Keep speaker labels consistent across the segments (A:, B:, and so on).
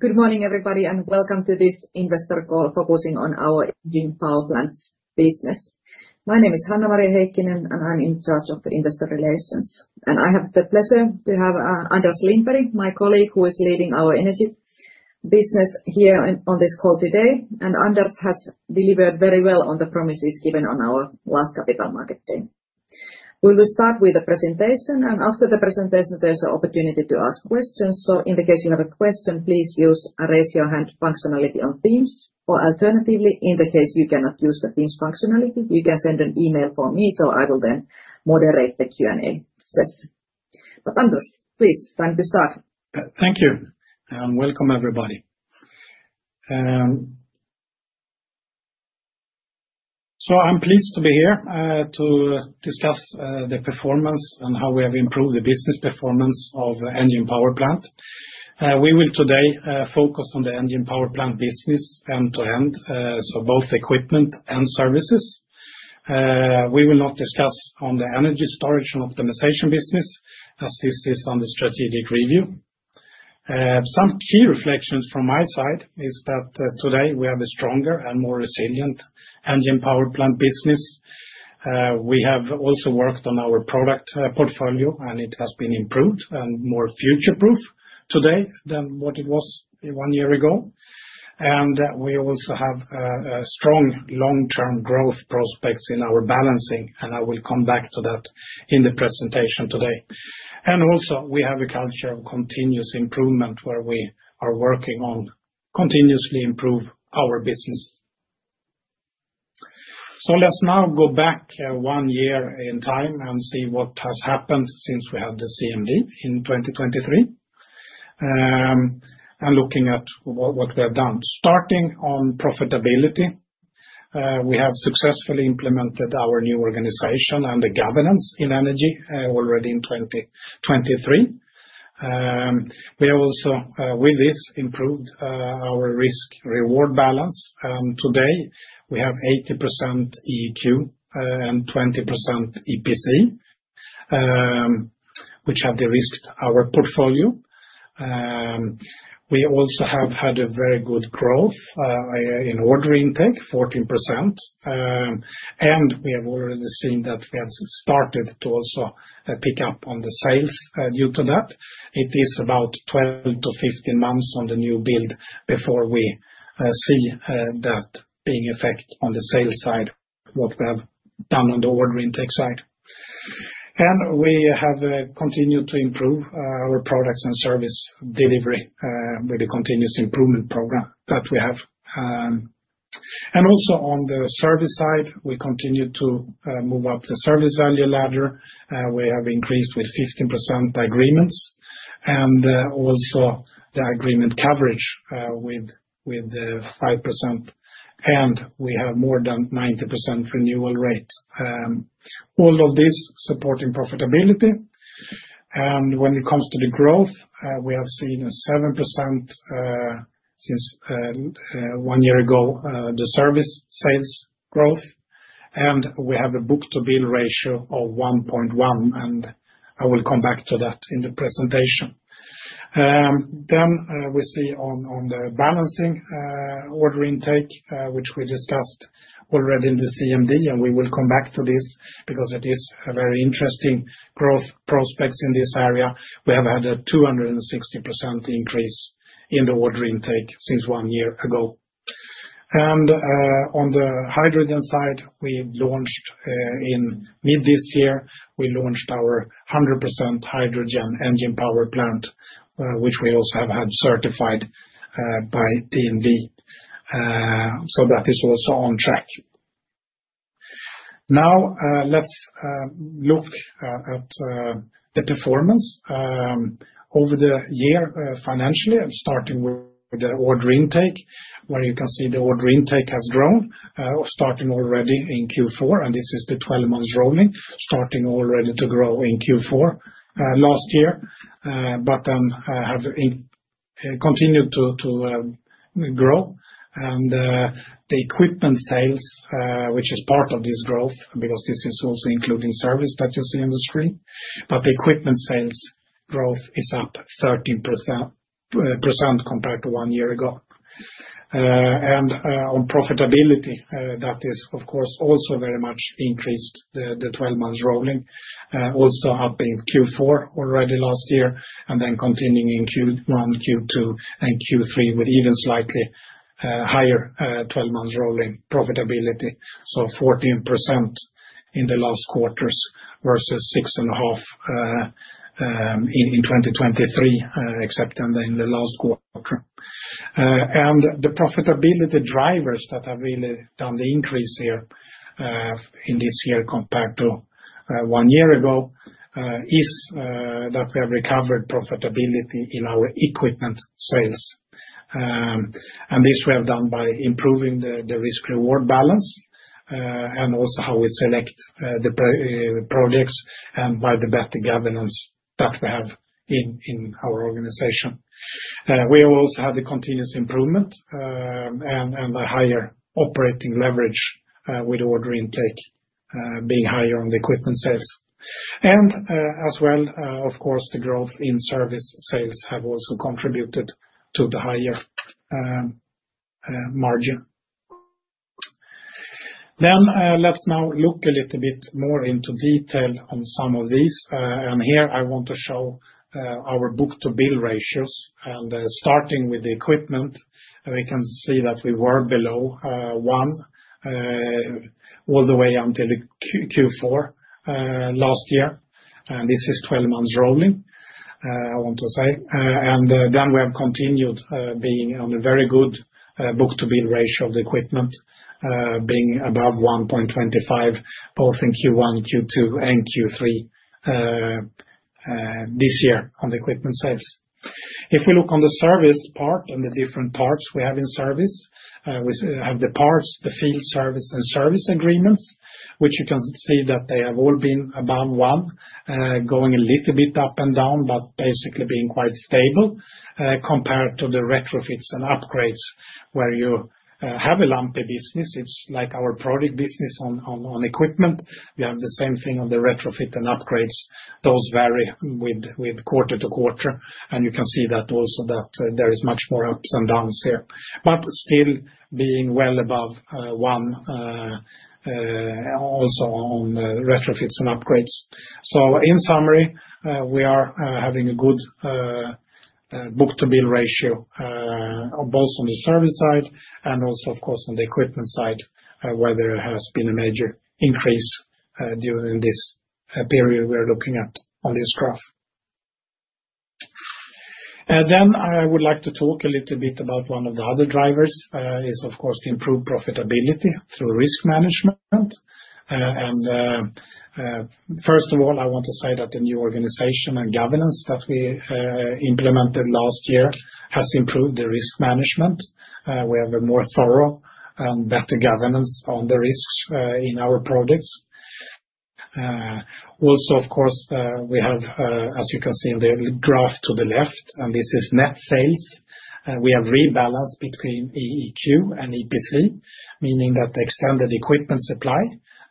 A: Good morning everybody and welcome to this investor call focusing on our power plants business. My name is Hanna-Maria Heikkinen and I'm in charge of the investor relations. I have the pleasure to have Anders Lindberg, my colleague who is leading our energy business here on this call today. Anders has delivered very well on the promises given on our last capital market day. We will start with the presentation, and after the presentation there's an opportunity to ask questions. In the case you have a question, please use a raise your hand functionality on Teams. Alternatively, in the case you cannot use the Teams functionality, you can send an email for me so I will then moderate the Q&A session. Anders, please, time to start.
B: Thank you and welcome everybody. I am pleased to be here to discuss the performance and how we have improved the business performance of the engine power plant. We will today focus on the engine power plant business end to end, so both equipment and services. We will not discuss the energy storage and optimization business as this is on the strategic review. Some key reflections from my side are that today we have a stronger and more resilient engine power plant business. We have also worked on our product portfolio and it has been improved and is more future-proof today than what it was one year ago. We also have strong long-term growth prospects in our balancing, and I will come back to that in the presentation today. We also have a culture of continuous improvement where we are working on continuously improving our business. Let's now go back one year in time and see what has happened since we had the CMD in 2023. Looking at what we have done, starting on profitability, we have successfully implemented our new organization and the governance in energy already in 2023. We have also, with this, improved our risk-reward balance. Today we have 80% EQ and 20% EPC, which have de-risked our portfolio. We also have had very good growth in order intake, 14%. We have already seen that we have started to also pick up on the sales due to that. It is about 12-15 months on the new build before we see that being effect on the sales side, what we have done on the order intake side. We have continued to improve our products and service delivery with the continuous improvement program that we have. Also on the service side, we continue to move up the service value ladder. We have increased with 15% agreements and also the agreement coverage with 5%, and we have more than 90% renewal rate. All of this supporting profitability. When it comes to the growth, we have seen a 7% since one year ago, the service sales growth. We have a book-to-bill ratio of 1.1, and I will come back to that in the presentation. We see on the balancing order intake, which we discussed already in the CMD, and we will come back to this because it is a very interesting growth prospects in this area. We have had a 260% increase in the order intake since one year ago. On the hydrogen side, we launched in mid this year, we launched our 100% hydrogen engine power plant, which we also have had certified by DNV. That is also on track. Now let's look at the performance over the year financially, starting with the order intake, where you can see the order intake has grown, starting already in Q4. This is the 12 months rolling, starting already to grow in Q4 last year, but then have continued to grow. The equipment sales, which is part of this growth, because this is also including service that you see on the screen, but the equipment sales growth is up 13% compared to one year ago. On profitability, that is of course also very much increased, the 12 months rolling, also up in Q4 already last year, and then continuing in Q1, Q2, and Q3 with even slightly higher 12 months rolling profitability. Fourteen percent in the last quarters versus 6.5% in 2023, except in the last quarter. The profitability drivers that have really done the increase here in this year compared to one year ago is that we have recovered profitability in our equipment sales. This we have done by improving the risk-reward balance and also how we select the projects and by the better governance that we have in our organization. We have also had the continuous improvement and the higher operating leverage with order intake being higher on the equipment sales. As well, of course, the growth in service sales have also contributed to the higher margin. Let us now look a little bit more into detail on some of these. Here I want to show our book-to-bill ratios. Starting with the equipment, we can see that we were below one all the way until Q4 last year. This is 12 months rolling, I want to say. We have continued being on a very good book-to-bill ratio of the equipment, being above 1.25, both in Q1, Q2, and Q3 this year on the equipment sales. If we look on the service part and the different parts we have in service, we have the parts, the field service, and service agreements, which you can see that they have all been above one, going a little bit up and down, but basically being quite stable compared to the retrofits and upgrades where you have a lumpy business. It is like our product business on equipment. We have the same thing on the retrofit and upgrades. Those vary quarter to quarter. You can see that also that there is much more ups and downs here, but still being well above one also on retrofits and upgrades. In summary, we are having a good book-to-bill ratio, both on the service side and also, of course, on the equipment side, where there has been a major increase during this period we are looking at on this graph. I would like to talk a little bit about one of the other drivers, which is, of course, the improved profitability through risk management. First of all, I want to say that the new organization and governance that we implemented last year has improved the risk management. We have a more thorough and better governance on the risks in our products. Also, of course, we have, as you can see in the graph to the left, and this is net sales. We have rebalanced between EQ and EPC, meaning that the extended equipment supply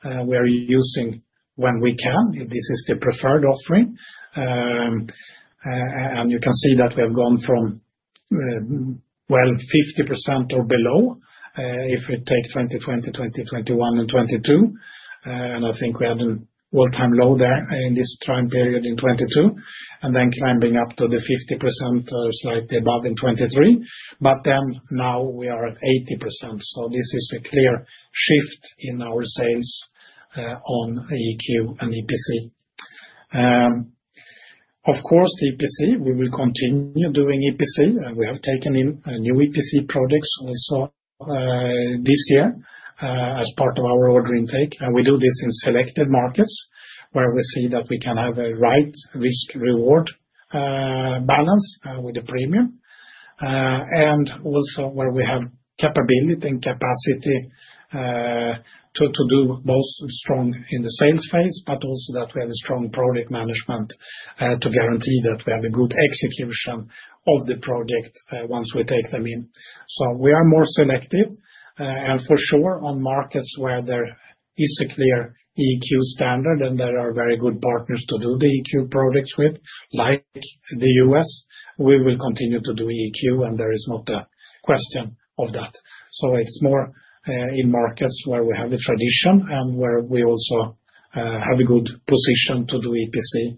B: we are using when we can, this is the preferred offering. You can see that we have gone from, like, 50% or below if we take 2020, 2021, and 2022. I think we had an all-time low there in this time period in 2022, climbing up to the 50% or slightly above in 2023. Now we are at 80%. This is a clear shift in our sales on EQ and EPC. Of course, EPC, we will continue doing EPC. We have taken in new EPC products also this year as part of our order intake. We do this in selected markets where we see that we can have a right risk-reward balance with a premium. Also, where we have capability and capacity to do both strong in the sales phase, but also that we have a strong product management to guarantee that we have a good execution of the project once we take them in. We are more selective. For sure, on markets where there is a clear EQ standard and there are very good partners to do the EQ products with, like the U.S., we will continue to do EQ and there is not a question of that. It is more in markets where we have a tradition and where we also have a good position to do EPC,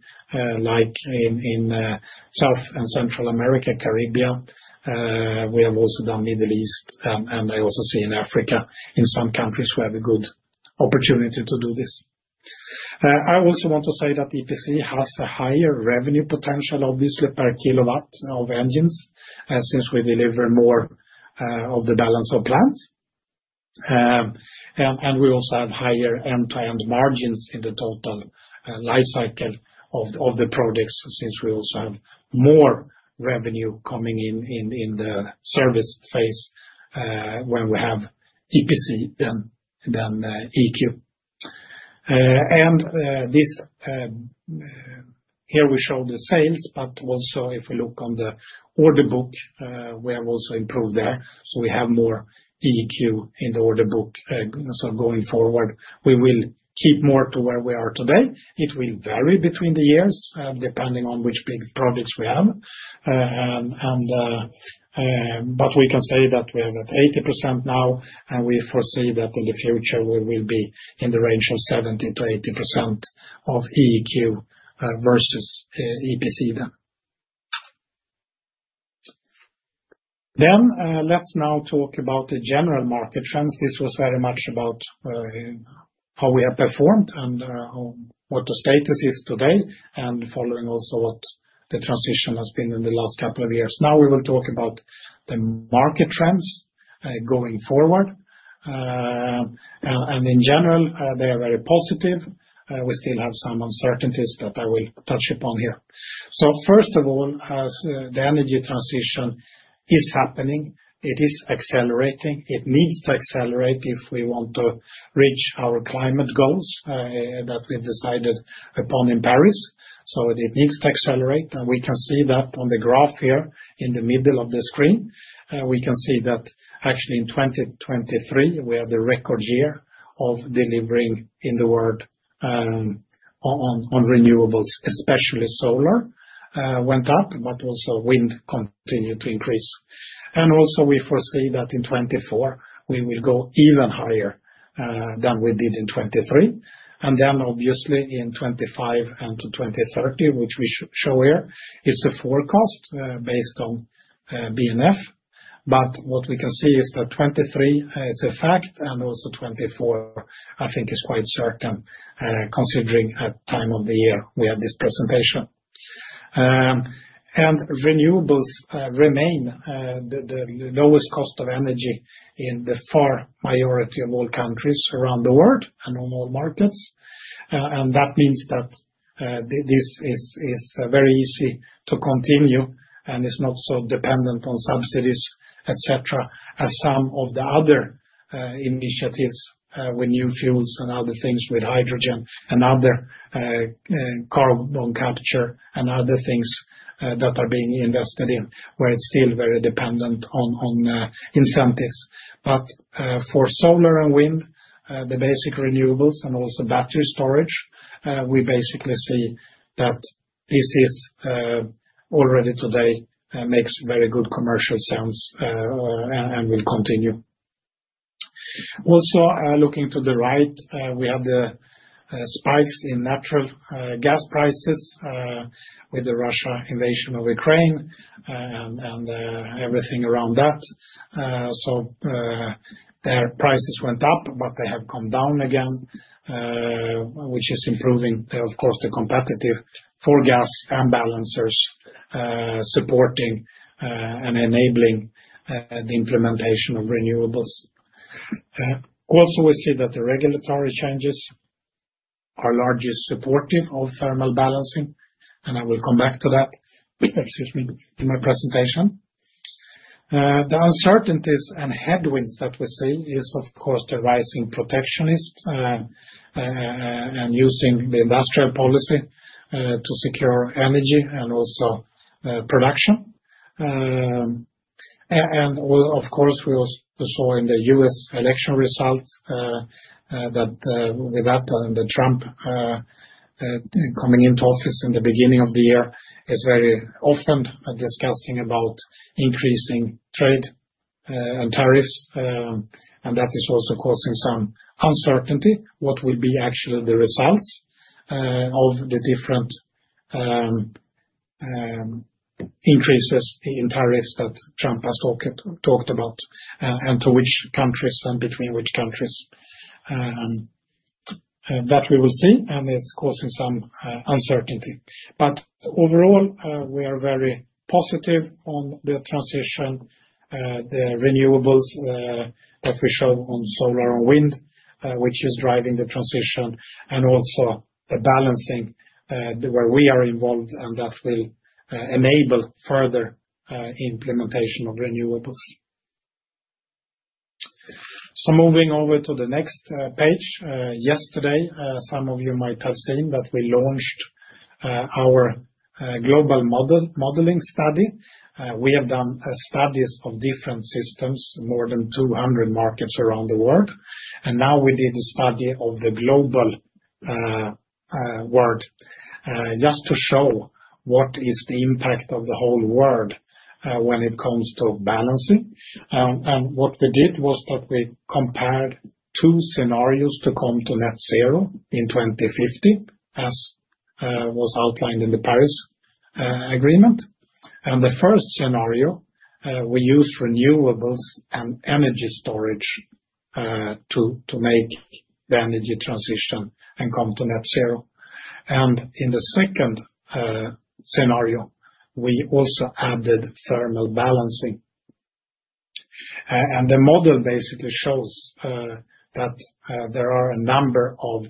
B: like in South and Central America, Caribbean. We have also done Middle East and I also see in Africa, in some countries we have a good opportunity to do this. I also want to say that EPC has a higher revenue potential, obviously, per kilowatt of engines since we deliver more of the balance of plants. We also have higher end-to-end margins in the total life cycle of the products since we also have more revenue coming in the service phase when we have EPC than EQ. Here we show the sales, but also if we look on the order book, we have also improved there. We have more EQ in the order book going forward. We will keep more to where we are today. It will vary between the years depending on which big projects we have. We can say that we have at 80% now and we foresee that in the future we will be in the range of 70-80% of EQ versus EPC. Now let's talk about the general market trends. This was very much about how we have performed and what the status is today and following also what the transition has been in the last couple of years. Now we will talk about the market trends going forward. In general, they are very positive. We still have some uncertainties that I will touch upon here. First of all, the energy transition is happening. It is accelerating. It needs to accelerate if we want to reach our climate goals that we've decided upon in Paris. It needs to accelerate. We can see that on the graph here in the middle of the screen. We can see that actually in 2023, we had a record year of delivering in the world on renewables, especially solar went up, but also wind continued to increase. We foresee that in 2024, we will go even higher than we did in 2023. Obviously, in 2025 and to 2030, which we show here, is the forecast based on BNF. What we can see is that 2023 is a fact and also 2024, I think, is quite certain considering at time of the year we have this presentation. Renewables remain the lowest cost of energy in the far majority of all countries around the world and on all markets. That means that this is very easy to continue and is not so dependent on subsidies, etc., as some of the other initiatives with new fuels and other things with hydrogen and other carbon capture and other things that are being invested in, where it's still very dependent on incentives. For solar and wind, the basic renewables and also battery storage, we basically see that this already today makes very good commercial sense and will continue. Also looking to the right, we have the spikes in natural gas prices with the Russia invasion of Ukraine and everything around that. Their prices went up, but they have come down again, which is improving, of course, the competitive for gas and balancers supporting and enabling the implementation of renewables. Also we see that the regulatory changes are largely supportive of thermal balancing, and I will come back to that in my presentation. The uncertainties and headwinds that we see is, of course, the rising protectionists and using the industrial policy to secure energy and also production. Of course, we also saw in the U.S. election results that with that and Trump coming into office in the beginning of the year, he's very often discussing about increasing trade and tariffs. That is also causing some uncertainty what will be actually the results of the different increases in tariffs that Trump has talked about and to which countries and between which countries. We will see, and it's causing some uncertainty. Overall, we are very positive on the transition, the renewables that we show on solar and wind, which is driving the transition and also the balancing where we are involved, and that will enable further implementation of renewables. Moving over to the next page. Yesterday, some of you might have seen that we launched our global modeling study. We have done studies of different systems, more than 200 markets around the world. Now we did a study of the global world just to show what is the impact of the whole world when it comes to balancing. What we did was that we compared two scenarios to come to net zero in 2050, as was outlined in the Paris Agreement. The first scenario, we use renewables and energy storage to make the energy transition and come to net zero. In the second scenario, we also added thermal balancing. The model basically shows that there are a number of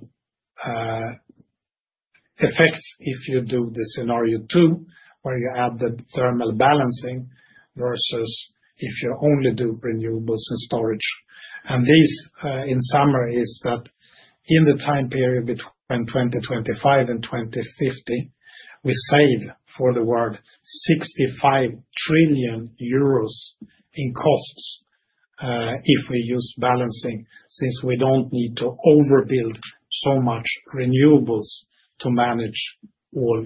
B: effects if you do scenario two where you add the thermal balancing versus if you only do renewables and storage. This, in summary, is that in the time period between 2025 and 2050, we save for the world 65 trillion euros in costs if we use balancing since we do not need to overbuild so much renewables to manage all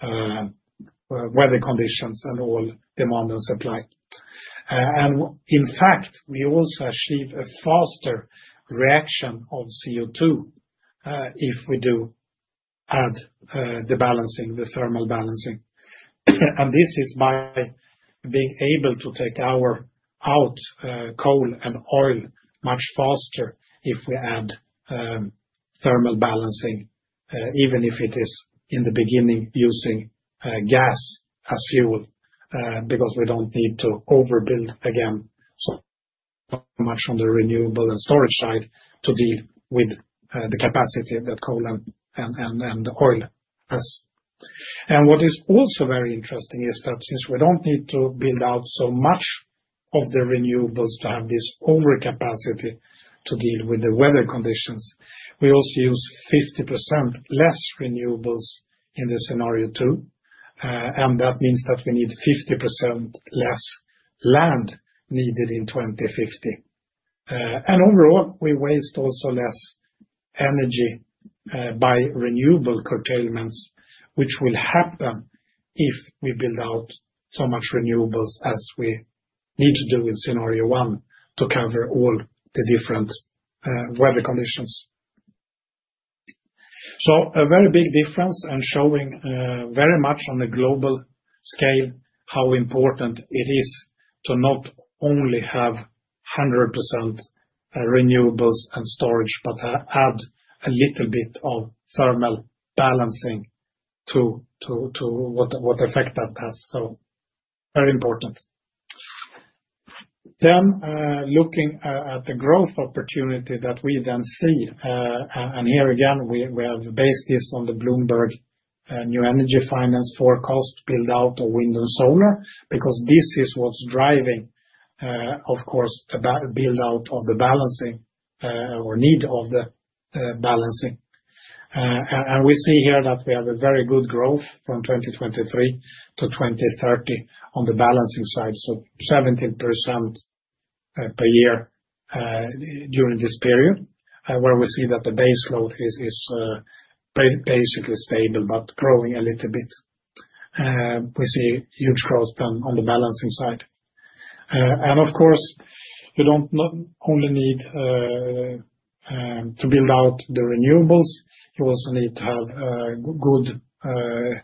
B: weather conditions and all demand and supply. In fact, we also achieve a faster reaction of CO2 if we do add the balancing, the thermal balancing. This is by being able to take out coal and oil much faster if we add thermal balancing, even if it is in the beginning using gas as fuel because we do not need to overbuild again so much on the renewable and storage side to deal with the capacity that coal and oil has. What is also very interesting is that since we do not need to build out so much of the renewables to have this overcapacity to deal with the weather conditions, we also use 50% less renewables in scenario two. That means that we need 50% less land needed in 2050. Overall, we waste also less energy by renewable curtailments, which will happen if we build out so much renewables as we need to do in scenario one to cover all the different weather conditions. A very big difference and showing very much on a global scale how important it is to not only have 100% renewables and storage, but add a little bit of thermal balancing to what effect that has. Very important. Looking at the growth opportunity that we then see, and here again, we have based this on the BloombergNEF forecast buildout of wind and solar because this is what's driving, of course, the buildout of the balancing or need of the balancing. We see here that we have a very good growth from 2023 to 2030 on the balancing side, so 17% per year during this period, where we see that the base load is basically stable but growing a little bit. We see huge growth on the balancing side. Of course, you don't only need to build out the renewables. You also need to have good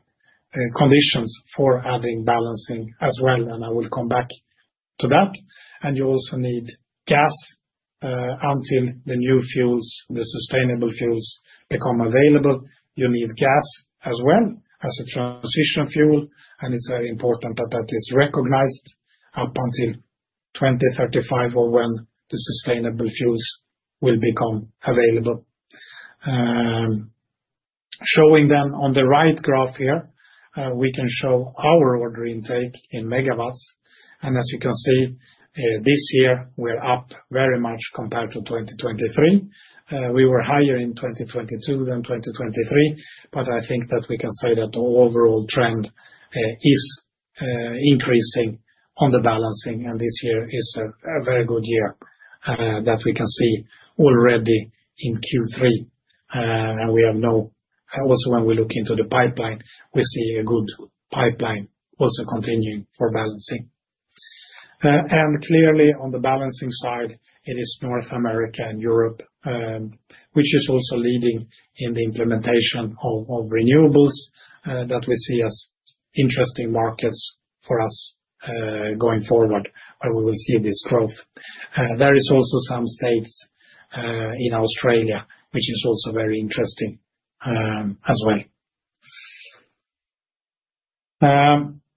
B: conditions for adding balancing as well. I will come back to that. You also need gas until the new fuels, the sustainable fuels become available. You need gas as well as a transition fuel, and it is very important that that is recognized up until 2035 or when the sustainable fuels will become available. Showing then on the right graph here, we can show our order intake in megawatts. As you can see, this year we are up very much compared to 2023. We were higher in 2022 than 2023, but I think that we can say that the overall trend is increasing on the balancing, and this year is a very good year that we can see already in Q3. We have now also, when we look into the pipeline, we see a good pipeline also continuing for balancing. Clearly on the balancing side, it is North America and Europe, which is also leading in the implementation of renewables that we see as interesting markets for us going forward where we will see this growth. There is also some states in Australia, which is also very interesting as well.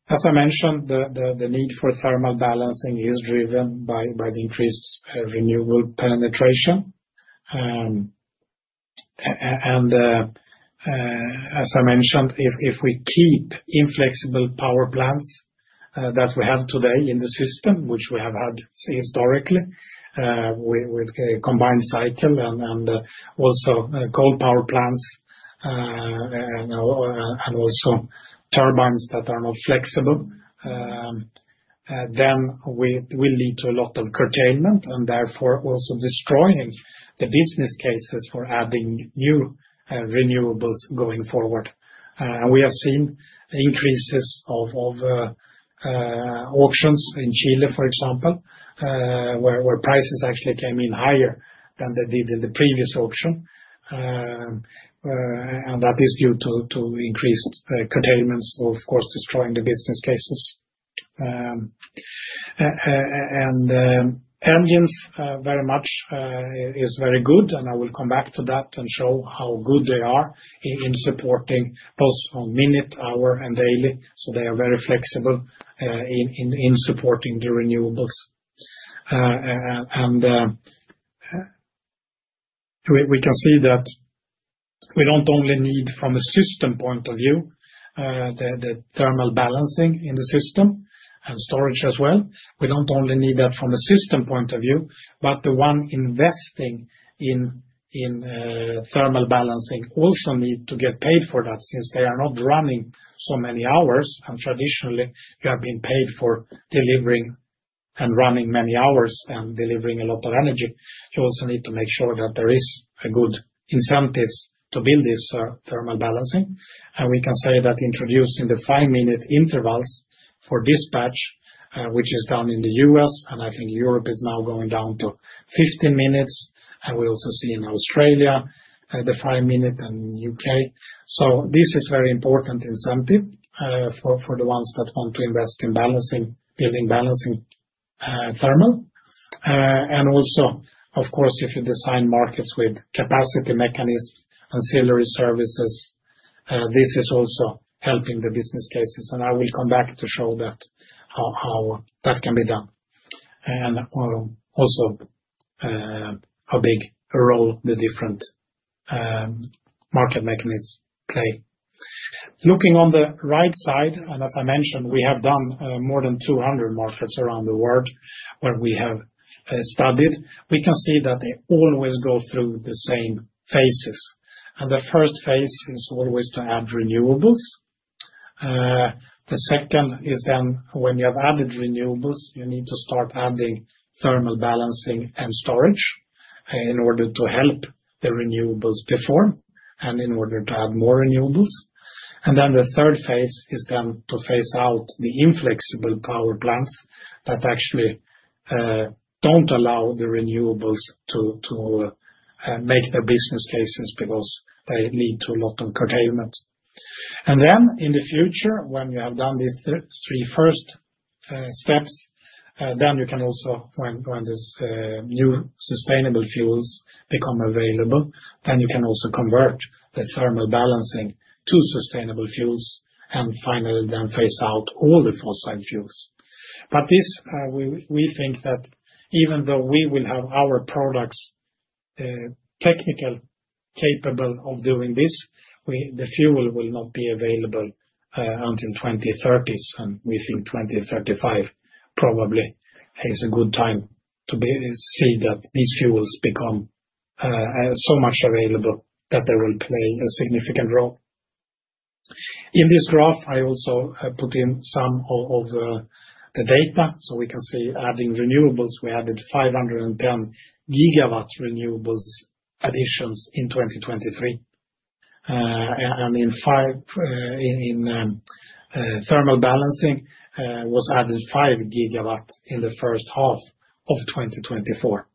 B: As I mentioned, the need for thermal balancing is driven by the increased renewable penetration. As I mentioned, if we keep inflexible power plants that we have today in the system, which we have had historically with combined cycle and also coal power plants and also turbines that are not flexible, then we will lead to a lot of curtailment and therefore also destroying the business cases for adding new renewables going forward. We have seen increases of auctions in Chile, for example, where prices actually came in higher than they did in the previous auction. That is due to increased curtailments, of course, destroying the business cases. Engines very much is very good, and I will come back to that and show how good they are in supporting both on minute, hour, and daily. They are very flexible in supporting the renewables. We can see that we do not only need from a system point of view the thermal balancing in the system and storage as well. We do not only need that from a system point of view, but the one investing in thermal balancing also need to get paid for that since they are not running so many hours. Traditionally, you have been paid for delivering and running many hours and delivering a lot of energy. You also need to make sure that there are good incentives to build this thermal balancing. We can say that introducing the five-minute intervals for dispatch, which is done in the U.S., and I think Europe is now going down to 15 minutes. We also see in Australia the five-minute and U.K. This is a very important incentive for the ones that want to invest in building balancing thermal. Of course, if you design markets with capacity mechanisms and ancillary services, this is also helping the business cases. I will come back to show that how that can be done. Also how big a role the different market mechanisms play. Looking on the right side, as I mentioned, we have done more than 200 markets around the world where we have studied, we can see that they always go through the same phases. The first phase is always to add renewables. The second is then when you have added renewables, you need to start adding thermal balancing and storage in order to help the renewables perform and in order to add more renewables. The third phase is then to phase out the inflexible power plants that actually do not allow the renewables to make their business cases because they need to do a lot of curtailment. In the future, when you have done these three first steps, you can also, when these new sustainable fuels become available, convert the thermal balancing to sustainable fuels and finally then phase out all the fossil fuels. We think that even though we will have our products technical capable of doing this, the fuel will not be available until 2030. We think 2035 probably is a good time to see that these fuels become so much available that they will play a significant role. In this graph, I also put in some of the data. We can see adding renewables, we added 510 gigawatt renewables additions in 2023. In thermal balancing, 5 gigawatt was added in the first half of 2024.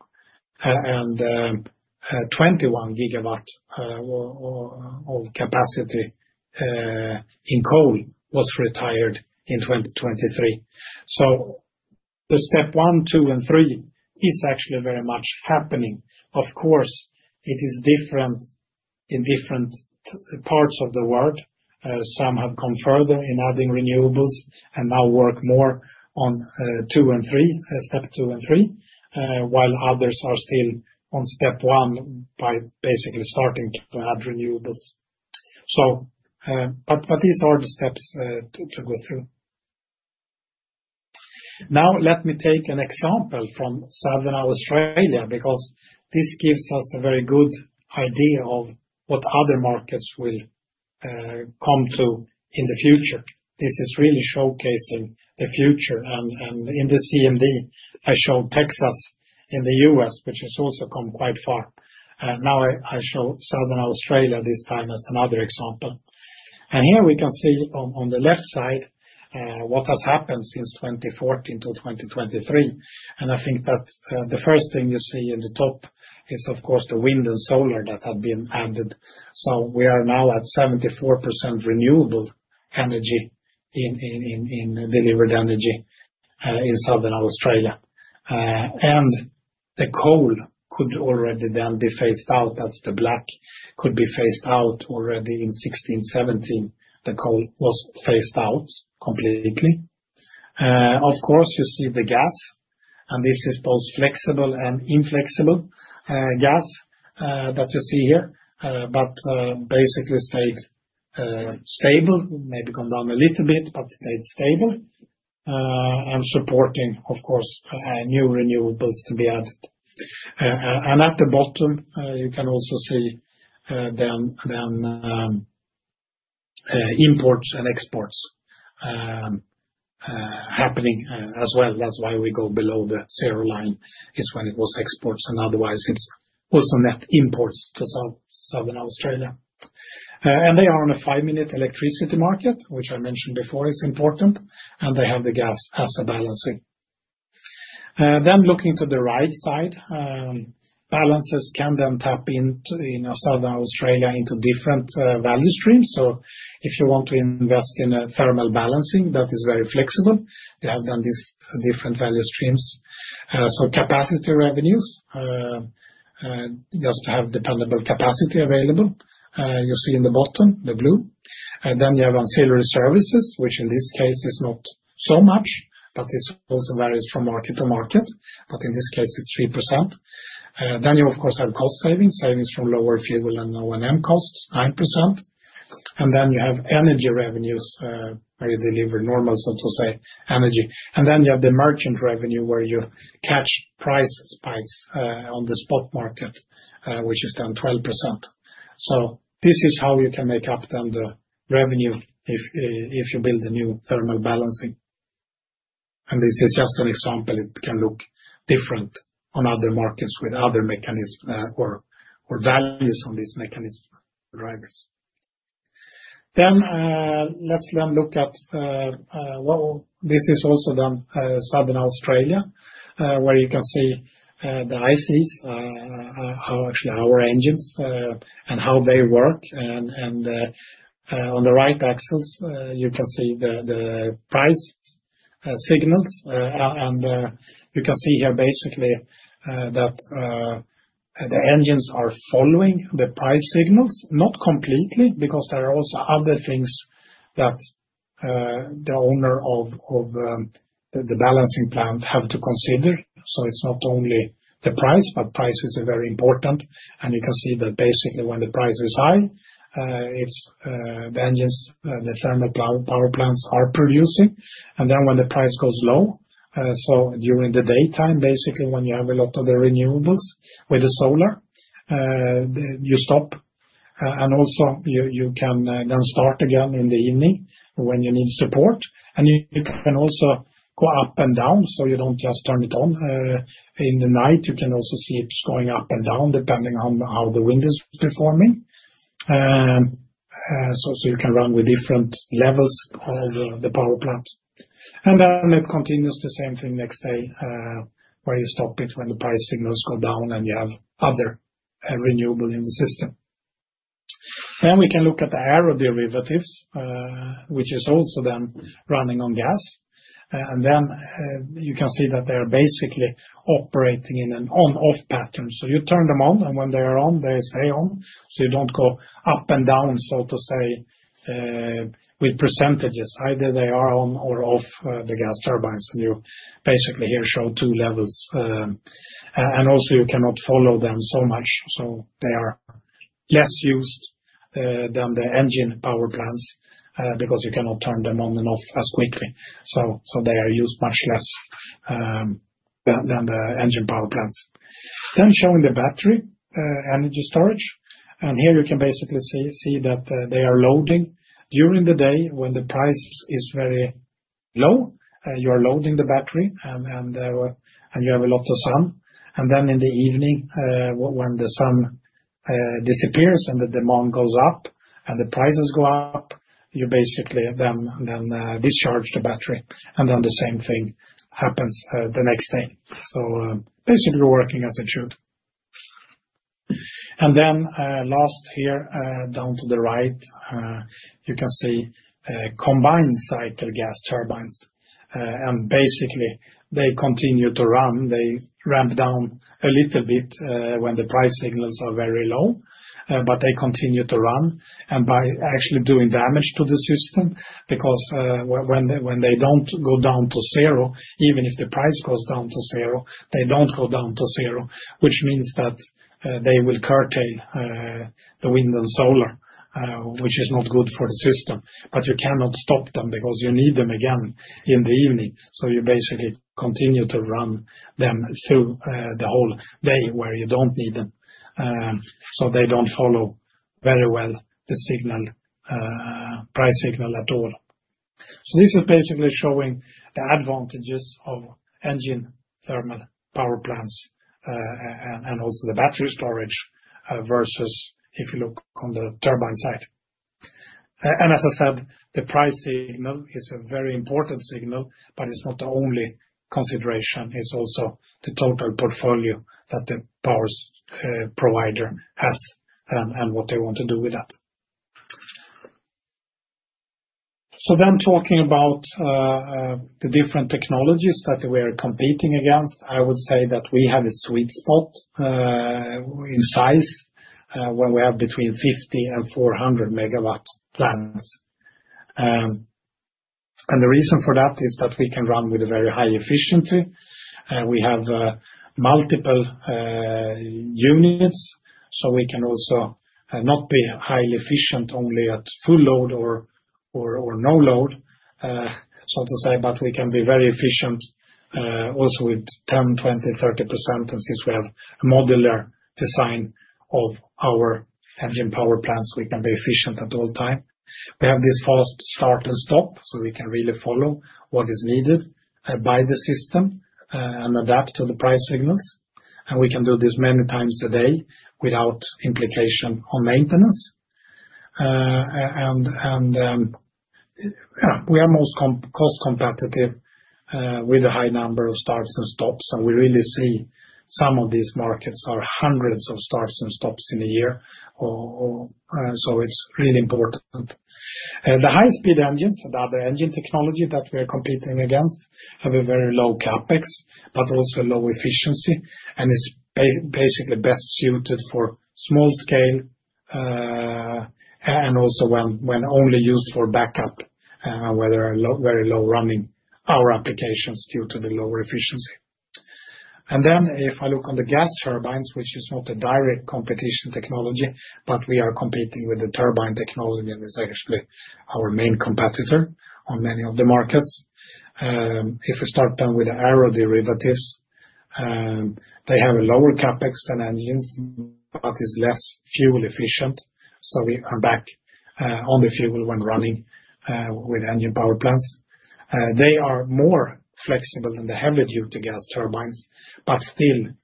B: 21 gigawatt of capacity in coal was retired in 2023. The step one, two, and three is actually very much happening. Of course, it is different in different parts of the world. Some have gone further in adding renewables and now work more on step two and three, while others are still on step one by basically starting to add renewables. These are the steps to go through. Now, let me take an example from Southern Australia because this gives us a very good idea of what other markets will come to in the future. This is really showcasing the future. In the CMD, I show Texas in the U.S., which has also come quite far. Now I show Southern Australia this time as another example. Here we can see on the left side what has happened since 2014 to 2023. I think that the first thing you see in the top is, of course, the wind and solar that had been added. We are now at 74% renewable energy in delivered energy in Southern Australia. The coal could already then be phased out. That is, the black could be phased out already in 2016-2017. The coal was phased out completely. Of course, you see the gas. This is both flexible and inflexible gas that you see here, but basically stayed stable. Maybe come down a little bit, but stayed stable and supporting, of course, new renewables to be added. At the bottom, you can also see then imports and exports happening as well. That is why we go below the zero line, is when it was exports. Otherwise, it is also net imports to Southern Australia. They are on a five-minute electricity market, which I mentioned before is important. They have the gas as a balancing. Looking to the right side, balances can then tap into Southern Australia into different value streams. If you want to invest in thermal balancing that is very flexible, you have then these different value streams. Capacity revenues, just to have dependable capacity available, you see in the bottom, the blue. You have on seller services, which in this case is not so much, but it also varies from market to market. In this case, it is 3%. You, of course, have cost savings, savings from lower fuel and O&M costs, 9%. You have energy revenues where you deliver normal, so to say, energy. You have the merchant revenue where you catch price spikes on the spot market, which is then 12%. This is how you can make up the revenue if you build a new thermal balancing. This is just an example. It can look different in other markets with other mechanisms or values on these mechanism drivers. Let us look at this. This is also Southern Australia, where you can see the ICs, actually our engines, and how they work. On the right axles, you can see the price signals. You can see here basically that the engines are following the price signals, not completely, because there are also other things that the owner of the balancing plant has to consider. It is not only the price, but price is very important. You can see that basically when the price is high, the engines, the thermal power plants, are producing. When the price goes low, during the daytime, basically when you have a lot of the renewables with the solar, you stop. You can then start again in the evening when you need support. You can also go up and down. You do not just turn it on in the night. You can also see it is going up and down depending on how the wind is performing. You can run with different levels of the power plants. It continues the same thing next day where you stop it when the price signals go down and you have other renewable in the system. We can look at the aeroderivatives, which is also then running on gas. You can see that they are basically operating in an on-off pattern. You turn them on, and when they are on, they stay on. You do not go up and down, so to say, with percentages. Either they are on or off, the gas turbines. You basically here show two levels. Also, you cannot follow them so much. They are less used than the engine power plants because you cannot turn them on and off as quickly. They are used much less than the engine power plants. Showing the battery energy storage. Here you can basically see that they are loading during the day when the price is very low. You are loading the battery, and you have a lot of sun. In the evening, when the sun disappears and the demand goes up and the prices go up, you basically then discharge the battery. The same thing happens the next day. Basically working as it should. Last here, down to the right, you can see combined cycle gas turbines. Basically, they continue to run. They ramp down a little bit when the price signals are very low, but they continue to run. By actually doing damage to the system, because when they do not go down to zero, even if the price goes down to zero, they do not go down to zero, which means that they will curtail the wind and solar, which is not good for the system. You cannot stop them because you need them again in the evening. You basically continue to run them through the whole day where you do not need them. They do not follow very well the price signal at all. This is basically showing the advantages of engine thermal power plants and also the battery storage versus if you look on the turbine side. As I said, the price signal is a very important signal, but it is not the only consideration. It is also the total portfolio that the power provider has and what they want to do with that. Talking about the different technologies that we are competing against, I would say that we have a sweet spot in size when we have between 50 and 400 megawatt plants. The reason for that is that we can run with a very high efficiency. We have multiple units, so we can also not be highly efficient only at full load or no load, so to say, but we can be very efficient also with 10%, 20%, 30%. Since we have a modular design of our engine power plants, we can be efficient at all times. We have this fast start and stop, so we can really follow what is needed by the system and adapt to the price signals. We can do this many times a day without implication on maintenance. We are most cost competitive with a high number of starts and stops. We really see some of these markets are hundreds of starts and stops in a year. It is really important. The high-speed engines, the other engine technology that we are competing against, have a very low CapEx, but also low efficiency, and is basically best suited for small scale and also when only used for backup, where there are very low running hour applications due to the lower efficiency. If I look on the gas turbines, which is not a direct competition technology, we are competing with the turbine technology, and it is actually our main competitor on many of the markets. If we start then with the aeroderivatives, they have a lower CapEx than engines, but it is less fuel efficient. We are back on the fuel when running with engine power plants. They are more flexible than the heavy-duty gas turbines, but still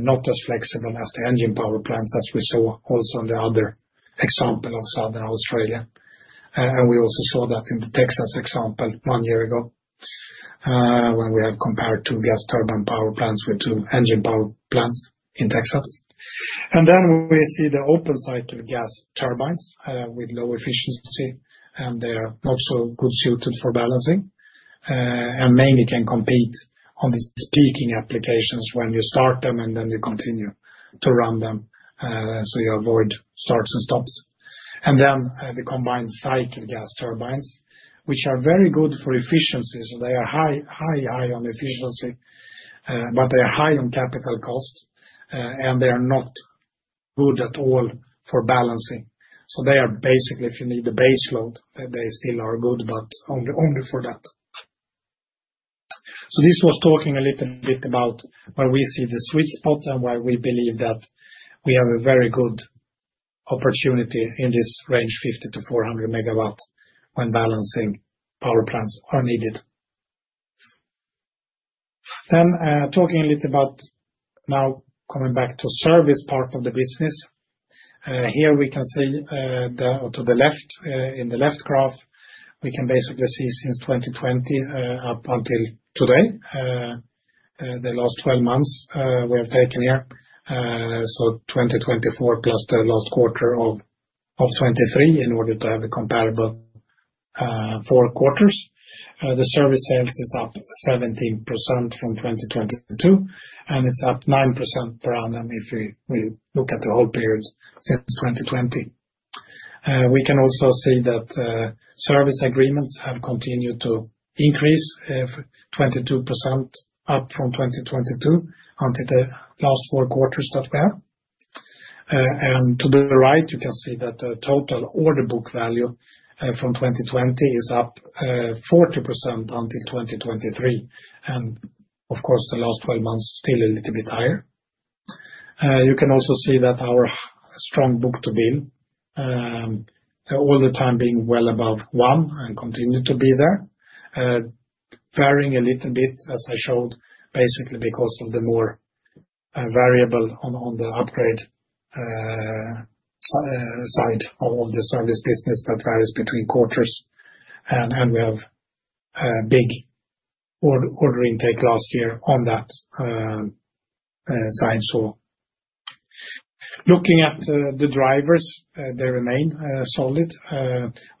B: not as flexible as the engine power plants as we saw also in the other example of Southern Australia. We also saw that in the Texas example one year ago when we have compared two gas turbine power plants with two engine power plants in Texas. We see the open-cycle gas turbines with low efficiency, and they are not so well suited for balancing. They mainly can compete on these peaking applications when you start them and then you continue to run them, so you avoid starts and stops. The combined cycle gas turbines are very good for efficiency. They are high, high, high on efficiency, but they are high on capital cost, and they are not good at all for balancing. They are basically, if you need the base load, they still are good, but only for that. This was talking a little bit about where we see the sweet spot and why we believe that we have a very good opportunity in this range, 50-400 megawatt when balancing power plants are needed. Talking a little about now coming back to service part of the business. Here we can see to the left in the left graph, we can basically see since 2020 up until today, the last 12 months we have taken here. 2024 plus the last quarter of 2023 in order to have a comparable four quarters. The service sales is up 17% from 2022, and it's up 9% per annum if we look at the whole period since 2020. We can also see that service agreements have continued to increase, 22% up from 2022 until the last four quarters that we have. To the right, you can see that the total order book value from 2020 is up 40% until 2023. Of course, the last 12 months still a little bit higher. You can also see that our strong book-to-bill all the time being well above one and continue to be there, varying a little bit as I showed basically because of the more variable on the upgrade side of the service business that varies between quarters. We have big order intake last year on that side. Looking at the drivers, they remain solid.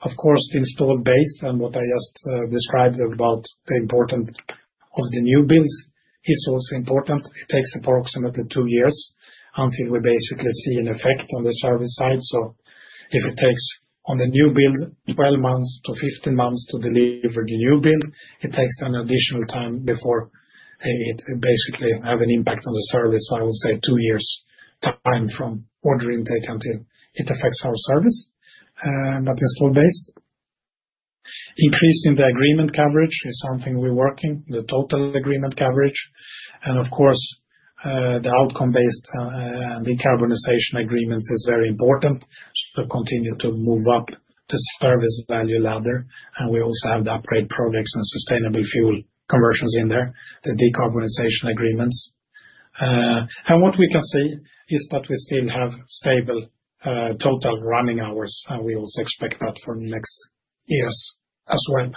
B: Of course, the installed base and what I just described about the importance of the new builds is also important. It takes approximately two years until we basically see an effect on the service side. If it takes on the new build, 12-15 months to deliver the new build, it takes an additional time before it basically has an impact on the service. I would say two years' time from order intake until it affects our service, that installed base. Increasing the agreement coverage is something we're working, the total agreement coverage. The outcome-based decarbonization agreements is very important to continue to move up the service value ladder. We also have the upgrade projects and sustainable fuel conversions in there, the decarbonization agreements. What we can see is that we still have stable total running hours, and we also expect that for the next years as well.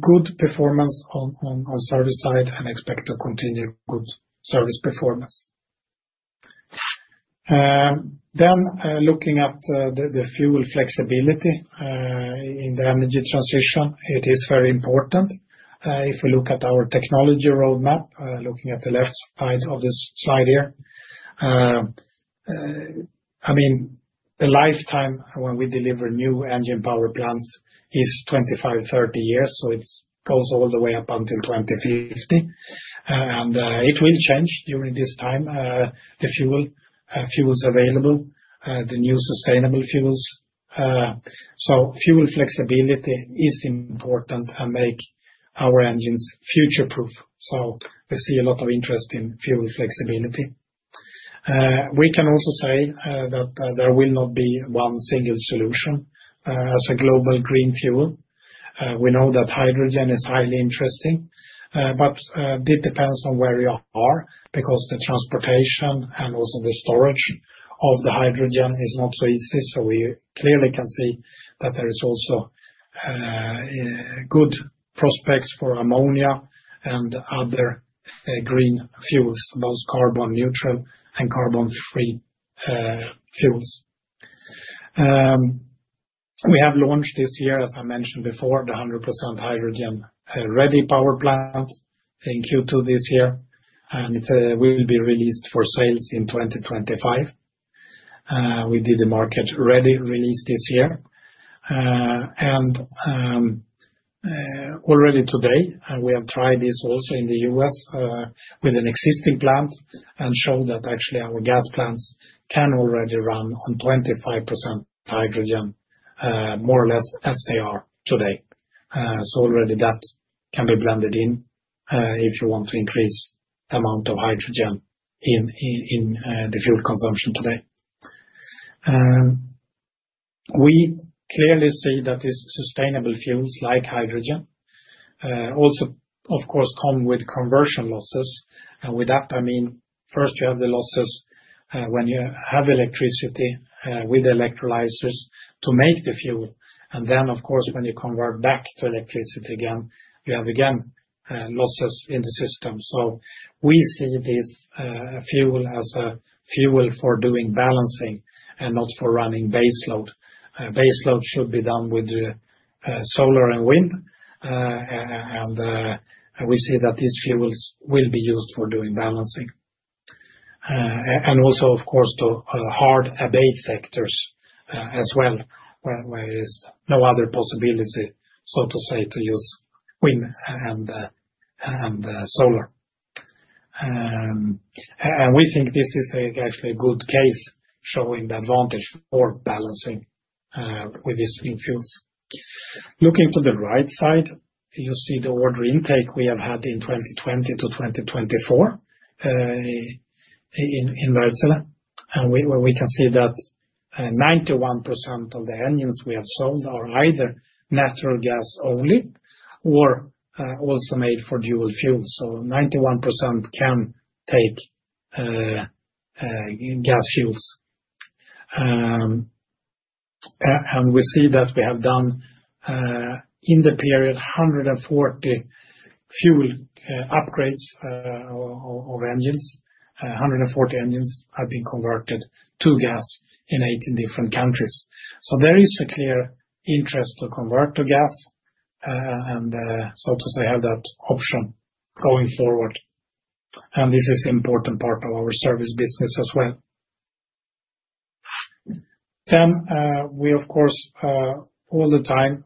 B: Good performance on service side and expect to continue good service performance. Looking at the fuel flexibility in the energy transition, it is very important. If we look at our technology roadmap, looking at the left side of this slide here, I mean, the lifetime when we deliver new engine power plants is 25-30 years. It goes all the way up until 2050. It will change during this time, the fuel available, the new sustainable fuels. Fuel flexibility is important and makes our engines future-proof. We see a lot of interest in fuel flexibility. We can also say that there will not be one single solution as a global green fuel. We know that hydrogen is highly interesting, but it depends on where you are because the transportation and also the storage of the hydrogen is not so easy. We clearly can see that there are also good prospects for ammonia and other green fuels, both carbon-neutral and carbon-free fuels. We have launched this year, as I mentioned before, the 100% hydrogen-ready power plant in Q2 this year. It will be released for sales in 2025. We did the market-ready release this year. Already today, we have tried this also in the U.S. with an existing plant and showed that actually our gas plants can already run on 25% hydrogen, more or less as they are today. Already that can be blended in if you want to increase the amount of hydrogen in the fuel consumption today. We clearly see that these sustainable fuels like hydrogen also, of course, come with conversion losses. With that, I mean, first you have the losses when you have electricity with electrolyzers to make the fuel. Then, of course, when you convert back to electricity again, you have again losses in the system. We see this fuel as a fuel for doing balancing and not for running base load. Base load should be done with solar and wind. We see that these fuels will be used for doing balancing. Also, of course, to hard abate sectors as well, where there is no other possibility, so to say, to use wind and solar. We think this is actually a good case showing the advantage for balancing with these new fuels. Looking to the right side, you see the order intake we have had in 2020 to 2024 in Wärtsilä. We can see that 91% of the engines we have sold are either natural gas only or also made for dual fuel. 91% can take gas fuels. We see that we have done in the period 140 fuel upgrades of engines. 140 engines have been converted to gas in 18 different countries. There is a clear interest to convert to gas and, so to say, have that option going forward. This is an important part of our service business as well. We, of course, all the time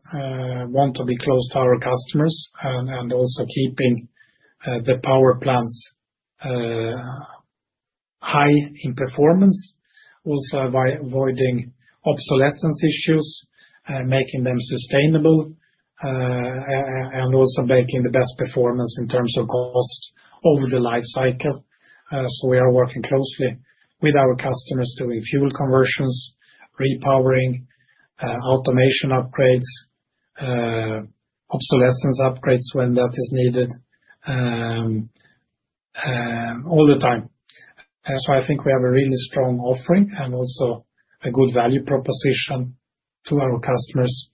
B: want to be close to our customers and also keeping the power plants high in performance, also avoiding obsolescence issues, making them sustainable, and also making the best performance in terms of cost over the life cycle. We are working closely with our customers doing fuel conversions, repowering, automation upgrades, obsolescence upgrades when that is needed all the time. I think we have a really strong offering and also a good value proposition to our customers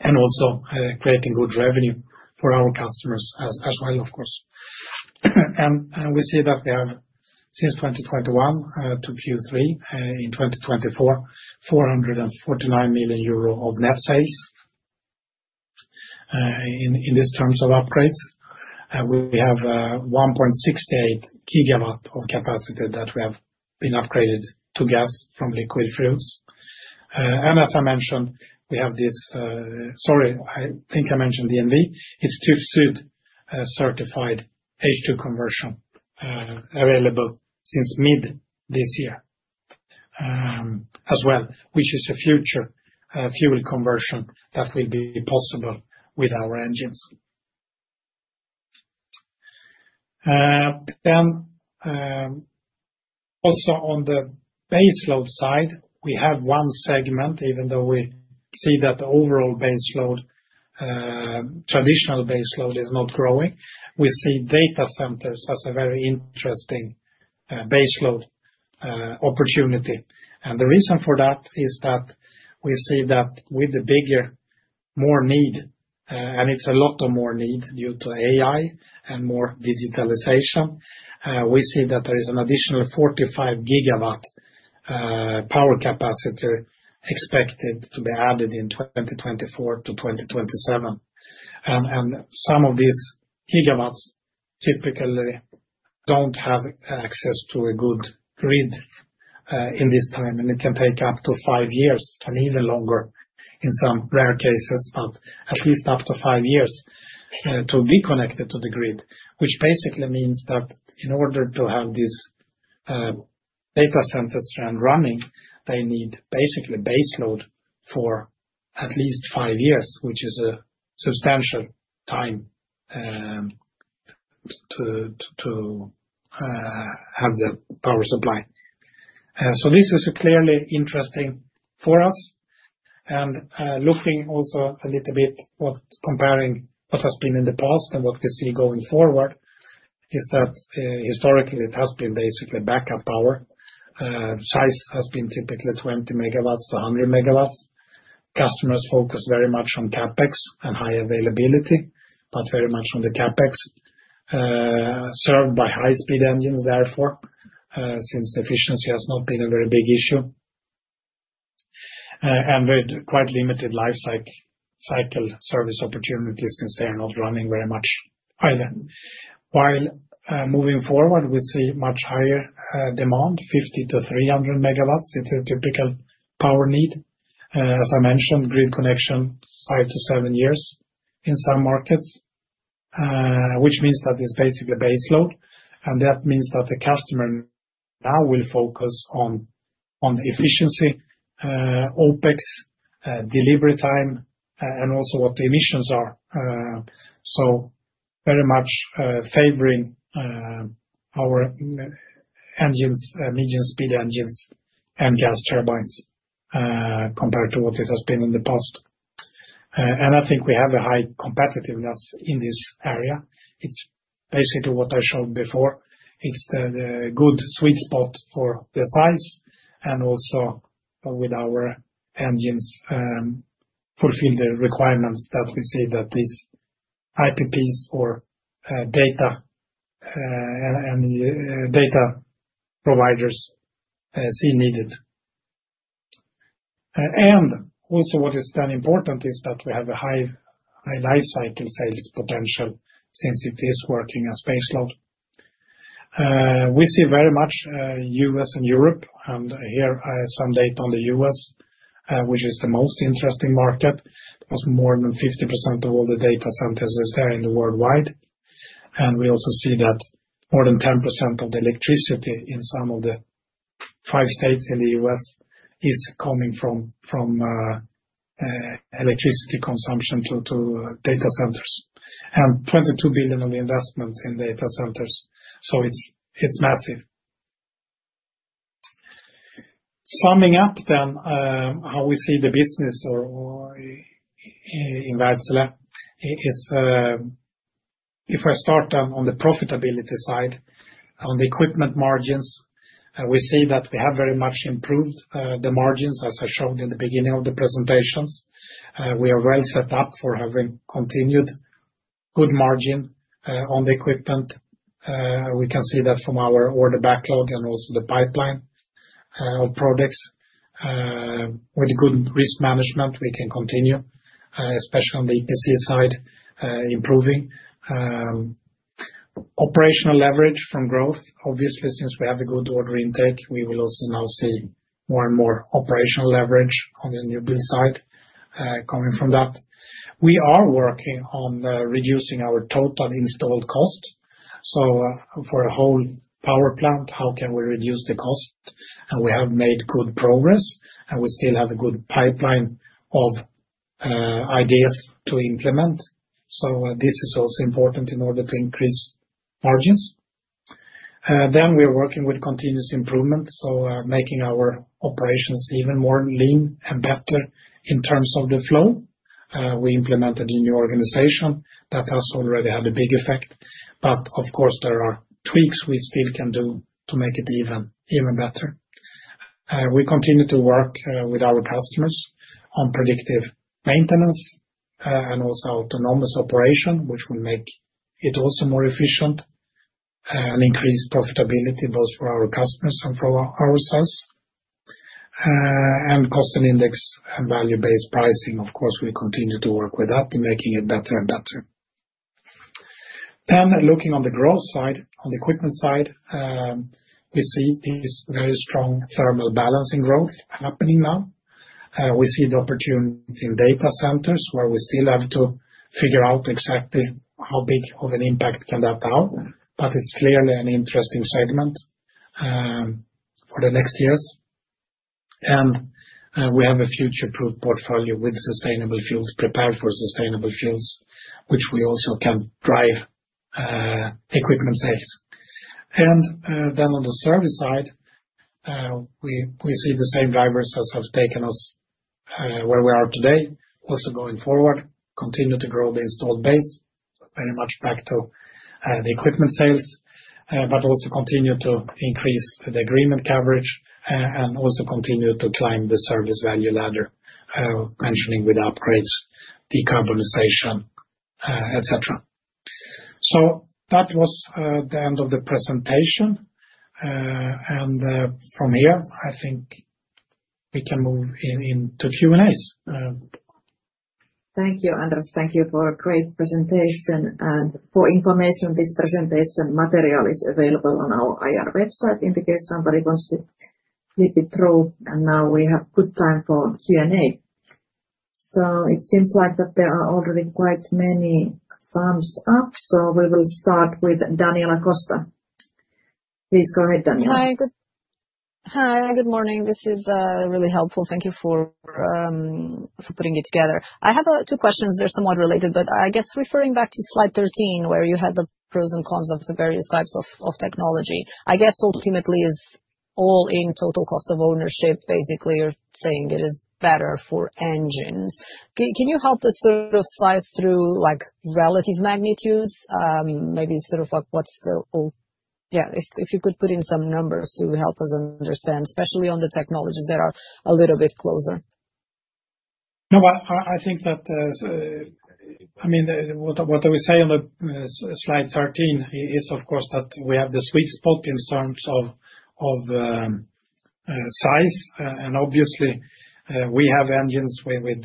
B: and also creating good revenue for our customers as well, of course. We see that we have, since 2021 to Q3 in 2024, 449 million euro of net sales in these terms of upgrades. We have 1.68 gigawatt of capacity that we have upgraded to gas from liquid fuels. As I mentioned, I think I mentioned ENV. It is TÜV SÜD certified H2 conversion available since mid this year as well, which is a future fuel conversion that will be possible with our engines. Also on the base load side, we have one segment, even though we see that the overall base load, traditional base load is not growing. We see data centers as a very interesting base load opportunity. The reason for that is that we see that with the bigger, more need, and it is a lot more need due to AI and more digitalization, we see that there is an additional 45 gigawatt power capacity expected to be added in 2024 to 2027. Some of these gigawatts typically do not have access to a good grid in this time. It can take up to five years and even longer in some rare cases, but at least up to five years to be connected to the grid, which basically means that in order to have these data centers running, they need basically base load for at least five years, which is a substantial time to have the power supply. This is clearly interesting for us. Looking also a little bit at comparing what has been in the past and what we see going forward is that historically it has been basically backup power. Size has been typically 20 megawatts-100 megawatts. Customers focus very much on CapEx and high availability, but very much on the CapEx served by high-speed engines, therefore, since efficiency has not been a very big issue and with quite limited life cycle service opportunities since they are not running very much either. While moving forward, we see much higher demand, 50-300 megawatts. It's a typical power need. As I mentioned, grid connection, five to seven years in some markets, which means that it's basically base load. That means that the customer now will focus on efficiency, OpEx, delivery time, and also what the emissions are. Very much favoring our engines, medium-speed engines and gas turbines compared to what it has been in the past. I think we have a high competitiveness in this area. It's basically what I showed before. It's the good sweet spot for the size and also with our engines fulfill the requirements that we see that these IPPs or data providers see needed. Also what is then important is that we have a high life cycle sales potential since it is working as base load. We see very much U.S. and Europe. Here is some data on the U.S., which is the most interesting market. It was more than 50% of all the data centers there in the worldwide. We also see that more than 10% of the electricity in some of the five states in the U.S. is coming from electricity consumption to data centers and $22 billion of investments in data centers. It is massive. Summing up then, how we see the business in Wärtsilä is if I start on the profitability side, on the equipment margins, we see that we have very much improved the margins, as I showed in the beginning of the presentations. We are well set up for having continued good margin on the equipment. We can see that from our order backlog and also the pipeline of products. With good risk management, we can continue, especially on the EPC side, improving operational leverage from growth. Obviously, since we have a good order intake, we will also now see more and more operational leverage on the new build side coming from that. We are working on reducing our total installed cost. For a whole power plant, how can we reduce the cost? We have made good progress, and we still have a good pipeline of ideas to implement. This is also important in order to increase margins. We are working with continuous improvement, making our operations even more lean and better in terms of the flow. We implemented a new organization that has already had a big effect. Of course, there are tweaks we still can do to make it even better. We continue to work with our customers on predictive maintenance and also autonomous operation, which will make it also more efficient and increase profitability both for our customers and for ourselves. Cost and index and value-based pricing, of course, we continue to work with that and making it better and better. Looking on the growth side, on the equipment side, we see this very strong thermal balancing growth happening now. We see the opportunity in data centers where we still have to figure out exactly how big of an impact can that have. It is clearly an interesting segment for the next years. We have a future-proof portfolio with sustainable fuels prepared for sustainable fuels, which we also can drive equipment sales. On the service side, we see the same drivers as have taken us where we are today. Also going forward, continue to grow the installed base, very much back to the equipment sales, but also continue to increase the agreement coverage and also continue to climb the service value ladder, mentioning with upgrades, decarbonization, etc. That was the end of the presentation. From here, I think we can move into Q&As. Thank you,
A: Anders. Thank you for a great presentation. For information, this presentation material is available on our IR website in case somebody wants to flip it through. Now we have good time for Q&A. It seems like there are already quite many thumbs up. We will start with Daniela Costa. Please go ahead, Daniela. Hi. Hi. Good morning. This is really helpful. Thank you for putting it together. I have two questions. They're somewhat related, but I guess referring back to slide 13, where you had the pros and cons of the various types of technology, I guess ultimately it is all in total cost of ownership, basically you're saying it is better for engines. Can you help us sort of size through relative magnitudes, maybe sort of what's the—yeah, if you could put in some numbers to help us understand, especially on the technologies that are a little bit closer.
B: No, I think that, I mean, what we say on slide 13 is, of course, that we have the sweet spot in terms of size. Obviously, we have engines with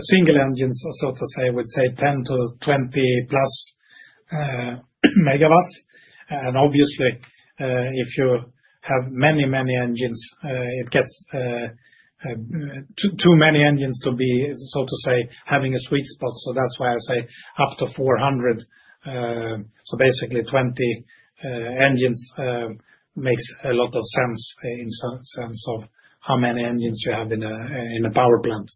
B: single engines, so to say, I would say 10-20 plus megawatts. Obviously, if you have many, many engines, it gets too many engines to be, so to say, having a sweet spot. That is why I say up to 400. Basically, 20 engines makes a lot of sense in terms of how many engines you have in a power plant.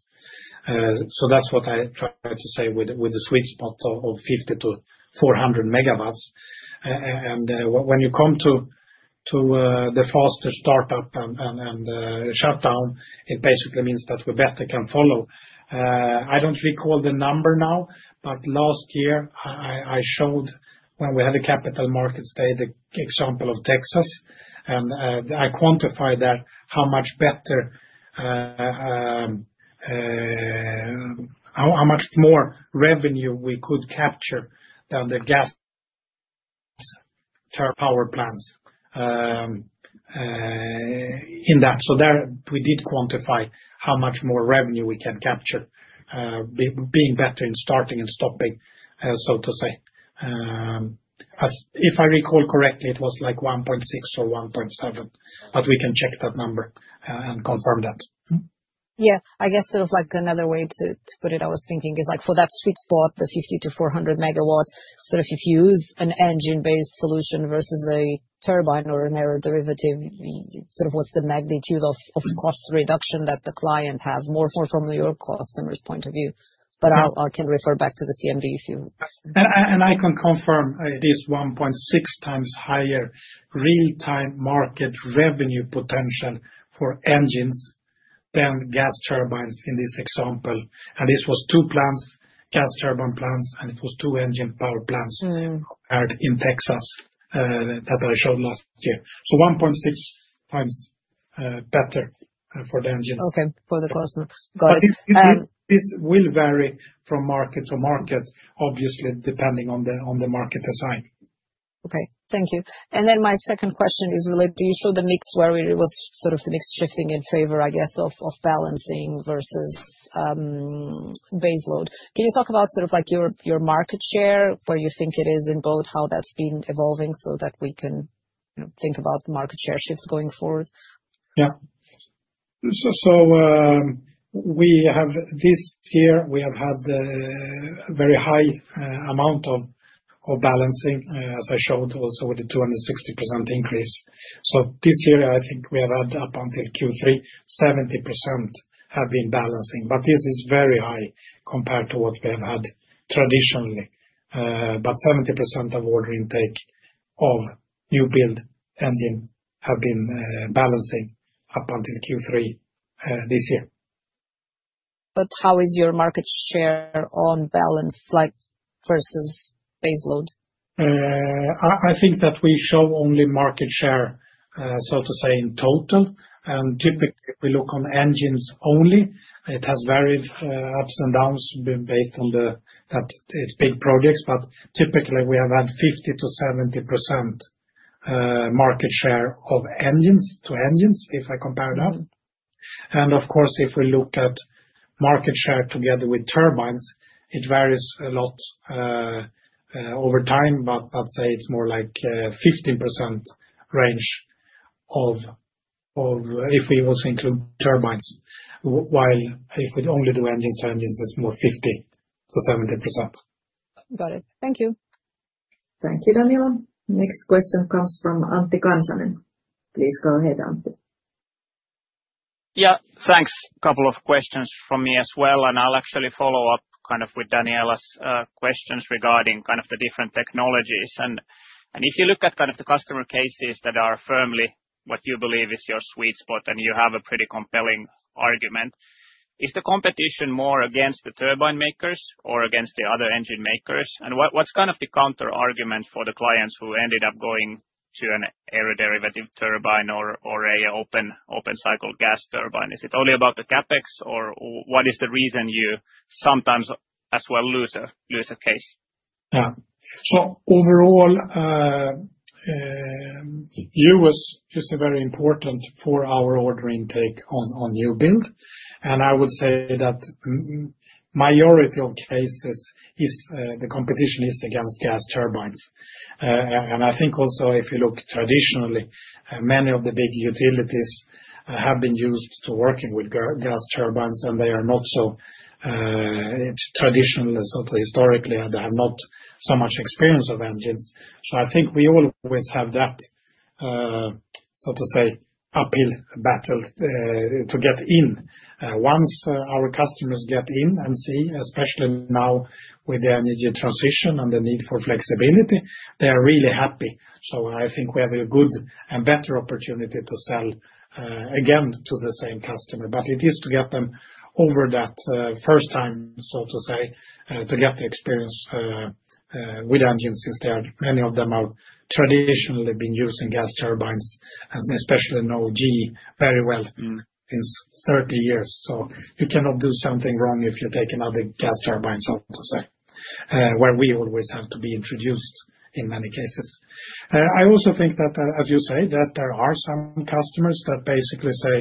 B: That is what I try to say with the sweet spot of 50 to 400 megawatts. When you come to the faster startup and shutdown, it basically means that we better can follow. I do not recall the number now, but last year, I showed when we had a capital markets day, the example of Texas. I quantified how much better, how much more revenue we could capture than the gas power plants in that. There we did quantify how much more revenue we can capture being better in starting and stopping, so to say. If I recall correctly, it was like 1.6 or 1.7, but we can check that number and confirm that. Yeah. I guess sort of like another way to put it, I was thinking is for that sweet spot, the 50 to 400 megawatts, sort of if you use an engine-based solution versus a turbine or an air derivative, sort of what's the magnitude of cost reduction that the client has more from your customer's point of view. I can refer back to the CMV if you. I can confirm it is 1.6 times higher real-time market revenue potential for engines than gas turbines in this example. This was two plants, gas turbine plants, and it was two engine power plants in Texas that I showed last year. 1.6 times better for the engines. Okay. For the customer. Got it. This will vary from market to market, obviously, depending on the market design. Okay. Thank you. My second question is related to you showed the mix where it was sort of the mix shifting in favor, I guess, of balancing versus base load. Can you talk about sort of your market share, where you think it is in both, how that's been evolving so that we can think about market share shift going forward? Yeah. This year, we have had a very high amount of balancing, as I showed also with the 260% increase. This year, I think we have had up until Q3, 70% have been balancing. This is very high compared to what we have had traditionally. Seventy percent of order intake of new build engine have been balancing up until Q3 this year. How is your market share on balance versus base load? I think that we show only market share, so to say, in total. Typically, if we look on engines only, it has varied ups and downs based on that it's big projects. Typically, we have had 50-70% market share of engines to engines if I compare that. Of course, if we look at market share together with turbines, it varies a lot over time, but I'd say it's more like 15% range if we also include turbines. While if we only do engines to engines, it's more 50-70%. Got it. Thank you.
A: Thank you, Daniela. Next question comes from Antti Kansanen. Please go ahead, Antti. Yeah. Thanks. Couple of questions from me as well. I'll actually follow up kind of with Daniela's questions regarding kind of the different technologies. If you look at kind of the customer cases that are firmly what you believe is your sweet spot and you have a pretty compelling argument, is the competition more against the turbine makers or against the other engine makers? What's kind of the counterargument for the clients who ended up going to an aero derivative turbine or an open-cycle gas turbine? Is it only about the CapEx or what is the reason you sometimes as well lose a case?
B: Yeah. Overall, U.S. is very important for our order intake on new build. I would say that majority of cases, the competition is against gas turbines. I think also if you look traditionally, many of the big utilities have been used to working with gas turbines, and they are not so traditionally, so historically, they have not so much experience of engines. I think we always have that, so to say, uphill battle to get in. Once our customers get in and see, especially now with the energy transition and the need for flexibility, they are really happy. I think we have a good and better opportunity to sell again to the same customer. It is to get them over that first time, so to say, to get the experience with engines since many of them have traditionally been using gas turbines, and especially know GE very well since 30 years. You cannot do something wrong if you take another gas turbine, so to say, where we always have to be introduced in many cases. I also think that, as you say, there are some customers that basically say,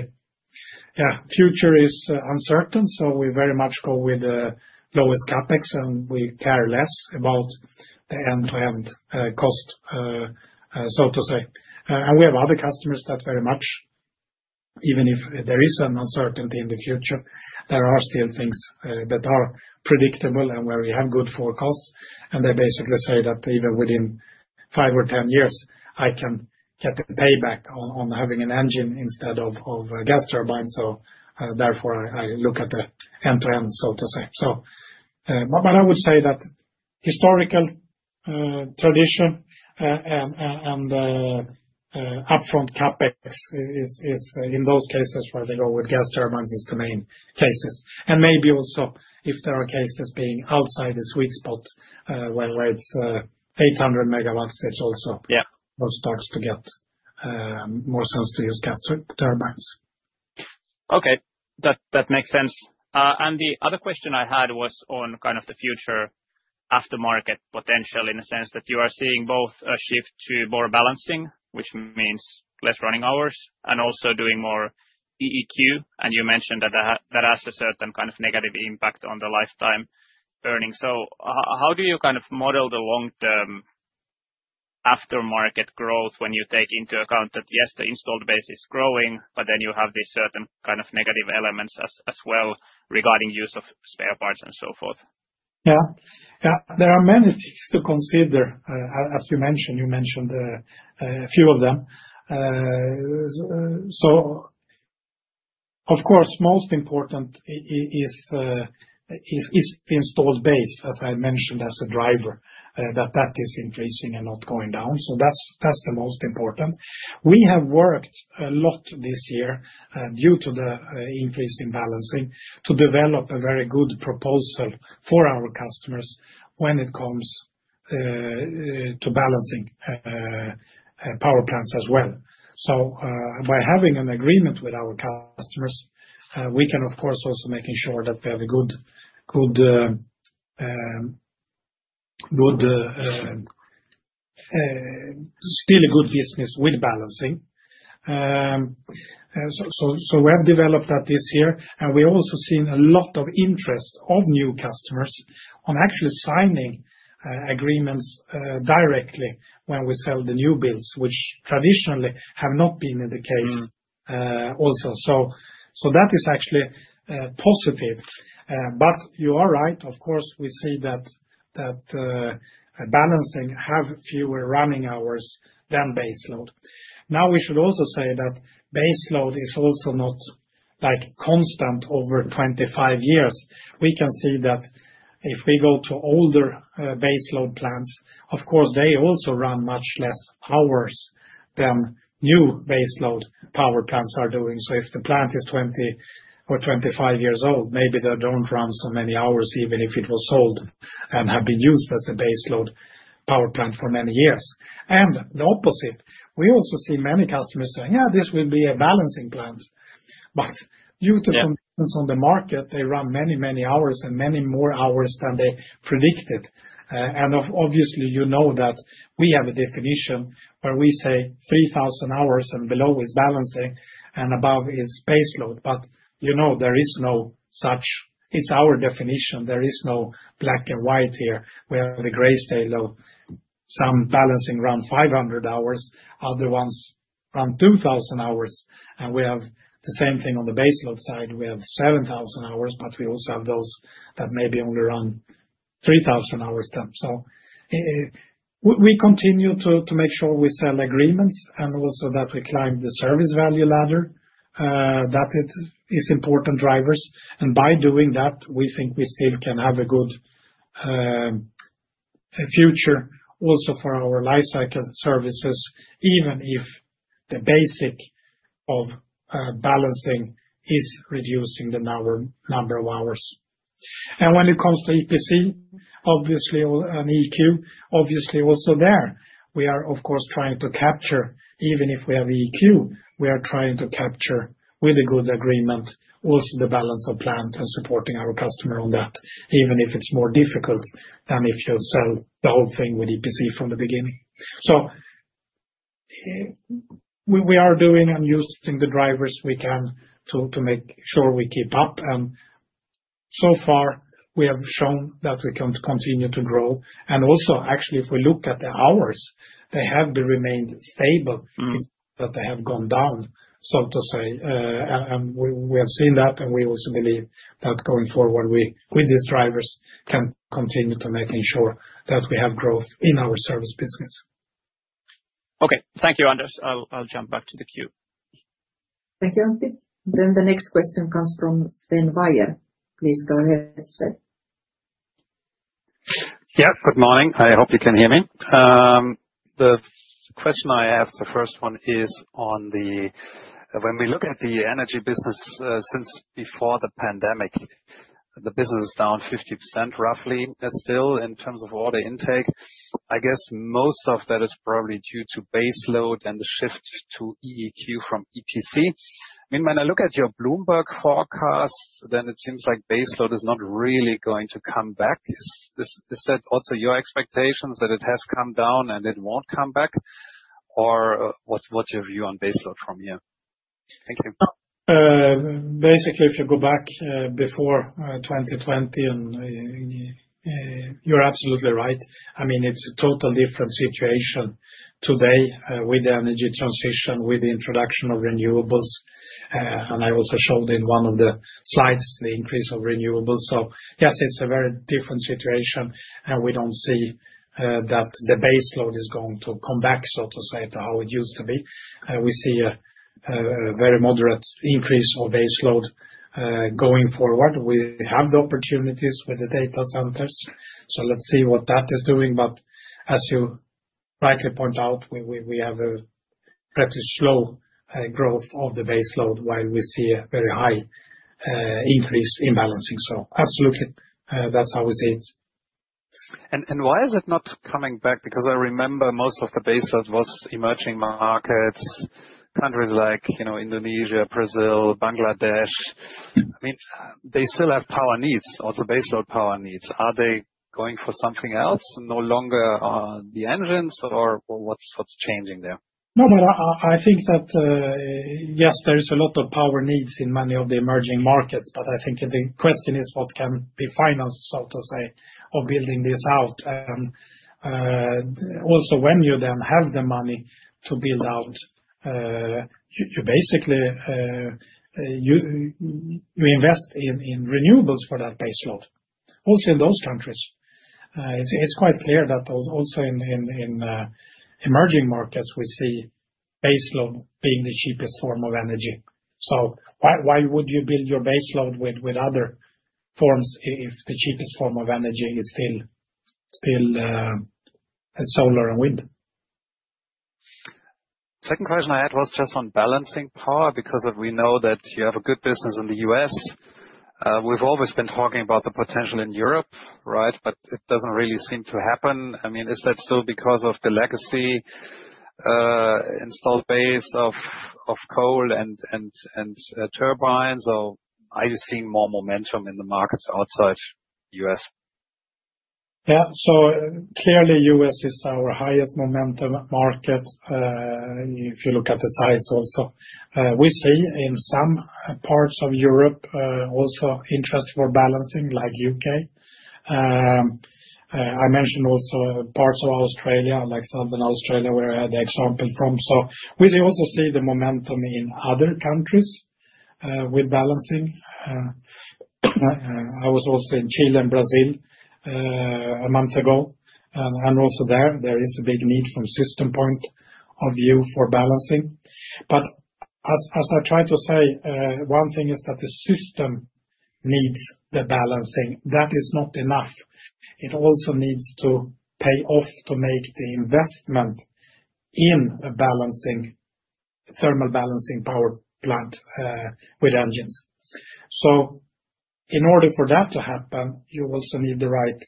B: "Yeah, future is uncertain." We very much go with the lowest CapEx, and we care less about the end-to-end cost, so to say. We have other customers that very much, even if there is an uncertainty in the future, there are still things that are predictable and where we have good forecasts. They basically say that even within five or ten years, I can get a payback on having an engine instead of a gas turbine. Therefore, I look at the end-to-end, so to say. I would say that historical tradition and upfront CapEx, in those cases where they go with gas turbines, is the main cases. Maybe also if there are cases being outside the sweet spot where it is 800 megawatts, it is also those stocks to get more sense to use gas turbines. Okay. That makes sense. The other question I had was on kind of the future aftermarket potential in the sense that you are seeing both a shift to more balancing, which means less running hours, and also doing more EQ. You mentioned that that has a certain kind of negative impact on the lifetime earning. How do you kind of model the long-term aftermarket growth when you take into account that, yes, the installed base is growing, but then you have these certain kind of negative elements as well regarding use of spare parts and so forth? Yeah. There are many things to consider, as you mentioned. You mentioned a few of them. Of course, most important is the installed base, as I mentioned, as a driver, that that is increasing and not going down. That is the most important. We have worked a lot this year due to the increase in balancing to develop a very good proposal for our customers when it comes to balancing power plants as well. By having an agreement with our customers, we can, of course, also make sure that we have a good, still a good business with balancing. We have developed that this year. We also seen a lot of interest of new customers on actually signing agreements directly when we sell the new builds, which traditionally have not been the case also. That is actually positive. You are right. Of course, we see that balancing have fewer running hours than base load. Now, we should also say that base load is also not constant over 25 years. We can see that if we go to older base load plants, of course, they also run much less hours than new base load power plants are doing. If the plant is 20 or 25 years old, maybe they do not run so many hours even if it was sold and had been used as a base load power plant for many years. The opposite. We also see many customers saying, "Yeah, this will be a balancing plant." Due to conditions on the market, they run many, many hours and many more hours than they predicted. Obviously, you know that we have a definition where we say 3,000 hours and below is balancing and above is base load. There is no such, it is our definition. There is no black and white here. We have the gray stable. Some balancing run 500 hours, other ones run 2,000 hours. We have the same thing on the base load side. We have 7,000 hours, but we also have those that maybe only run 3,000 hours then. We continue to make sure we sell agreements and also that we climb the service value ladder, that it is important drivers. By doing that, we think we still can have a good future also for our lifecycle services, even if the basic of balancing is reducing the number of hours. When it comes to EPC, obviously, and EQ, obviously, also there, we are, of course, trying to capture, even if we have EQ, we are trying to capture with a good agreement also the balance of plant and supporting our customer on that, even if it is more difficult than if you sell the whole thing with EPC from the beginning. We are doing and using the drivers we can to make sure we keep up. So far, we have shown that we can continue to grow. Actually, if we look at the hours, they have remained stable. It is not that they have gone down, so to say. We have seen that, and we also believe that going forward, with these drivers, we can continue to make sure that we have growth in our service business. Okay. Thank you, Anders. I'll jump back to the queue.
A: Thank you, Antti. The next question comes from Sven Weijer. Please go ahead, Sven. Yeah. Good morning. I hope you can hear me. The question I asked, the first one is on when we look at the energy business since before the pandemic, the business is down 50% roughly still in terms of order intake. I guess most of that is probably due to base load and the shift to EQ from EPC. I mean, when I look at your Bloomberg forecast, then it seems like base load is not really going to come back. Is that also your expectations that it has come down and it won't come back? What's your view on base load from here? Thank you.
B: Basically, if you go back before 2020, you're absolutely right. I mean, it's a total different situation today with the energy transition, with the introduction of renewables. I also showed in one of the slides the increase of renewables. Yes, it's a very different situation. We do not see that the base load is going to come back, so to say, to how it used to be. We see a very moderate increase of base load going forward. We have the opportunities with the data centers. Let's see what that is doing. As you rightly point out, we have a pretty slow growth of the base load while we see a very high increase in balancing. Absolutely, that's how we see it. Why is it not coming back? I remember most of the base load was emerging markets, countries like Indonesia, Brazil, Bangladesh. I mean, they still have power needs, also base load power needs. Are they going for something else? No longer the engines or what's changing there? No, but I think that, yes, there is a lot of power needs in many of the emerging markets. I think the question is what can be financed, so to say, of building this out. Also, when you then have the money to build out, you basically invest in renewables for that base load. Also in those countries. It is quite clear that also in emerging markets, we see base load being the cheapest form of energy. Why would you build your base load with other forms if the cheapest form of energy is still solar and wind? Second question I had was just on balancing power because we know that you have a good business in the U.S. We have always been talking about the potential in Europe, right? It does not really seem to happen. I mean, is that still because of the legacy installed base of coal and turbines? Or are you seeing more momentum in the markets outside the U.S.? Yeah. Clearly, the U.S. is our highest momentum market if you look at the size also. We see in some parts of Europe also interest for balancing like the U.K. I mentioned also parts of Australia, like Southern Australia, where I had the example from. We also see the momentum in other countries with balancing. I was also in Chile and Brazil a month ago. Also there, there is a big need from a system point of view for balancing. As I tried to say, one thing is that the system needs the balancing. That is not enough. It also needs to pay off to make the investment in a thermal balancing power plant with engines. In order for that to happen, you also need the right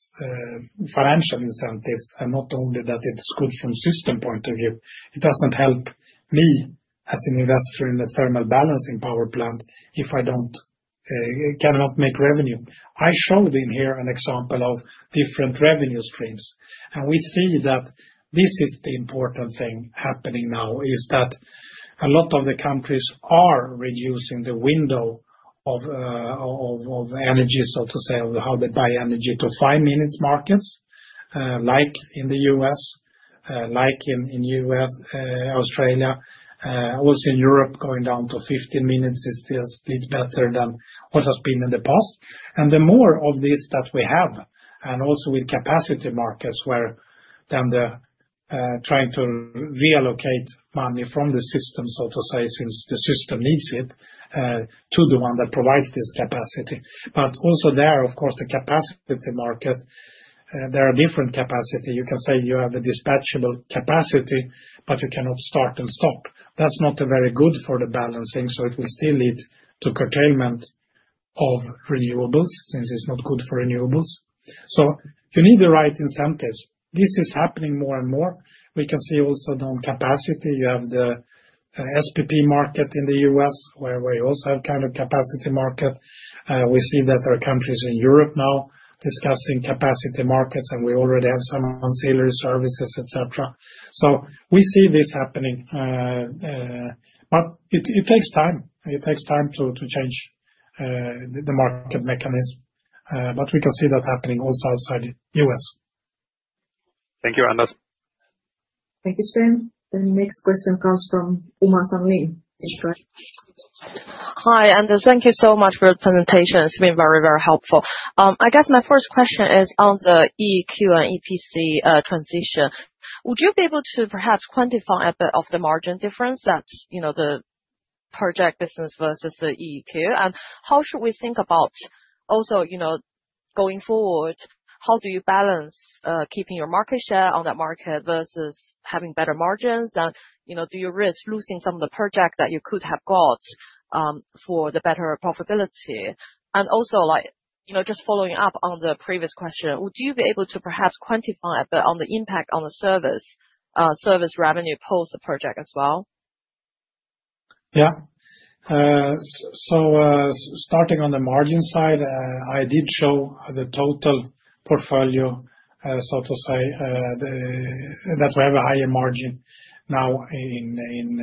B: financial incentives. Not only that, it is good from a system point of view. It does not help me as an investor in a thermal balancing power plant if I cannot make revenue. I showed in here an example of different revenue streams. We see that the important thing happening now is that a lot of the countries are reducing the window of energy, so to say, of how they buy energy to five minutes markets, like in the U.S., like in Australia. Also in Europe, going down to 15 minutes is still a bit better than what has been in the past. The more of this that we have, and also with capacity markets where they are trying to reallocate money from the system, so to say, since the system needs it to the one that provides this capacity. Also there, of course, the capacity market, there are different capacity. You can say you have a dispatchable capacity, but you cannot start and stop. That is not very good for the balancing. It will still lead to curtailment of renewables since it is not good for renewables. You need the right incentives. This is happening more and more. We can see also on capacity. You have the SPP market in the U.S. where we also have kind of capacity market. We see that there are countries in Europe now discussing capacity markets, and we already have some ancillary services, etc. We see this happening. It takes time. It takes time to change the market mechanism. But we can see that happening also outside the U.S. Thank you, Anders.
A: Thank you, Sven. The next question comes from Uma Sanlin. Hi, Anders. Thank you so much for the presentation. It's been very, very helpful. I guess my first question is on the EQ and EPC transition. Would you be able to perhaps quantify a bit of the margin difference that the project business versus the EQ? How should we think about also going forward? How do you balance keeping your market share on that market versus having better margins? Do you risk losing some of the projects that you could have got for the better profitability? Also, just following up on the previous question, would you be able to perhaps quantify a bit on the impact on the service revenue post-project as well?
B: Yeah. Starting on the margin side, I did show the total portfolio, so to say, that we have a higher margin now in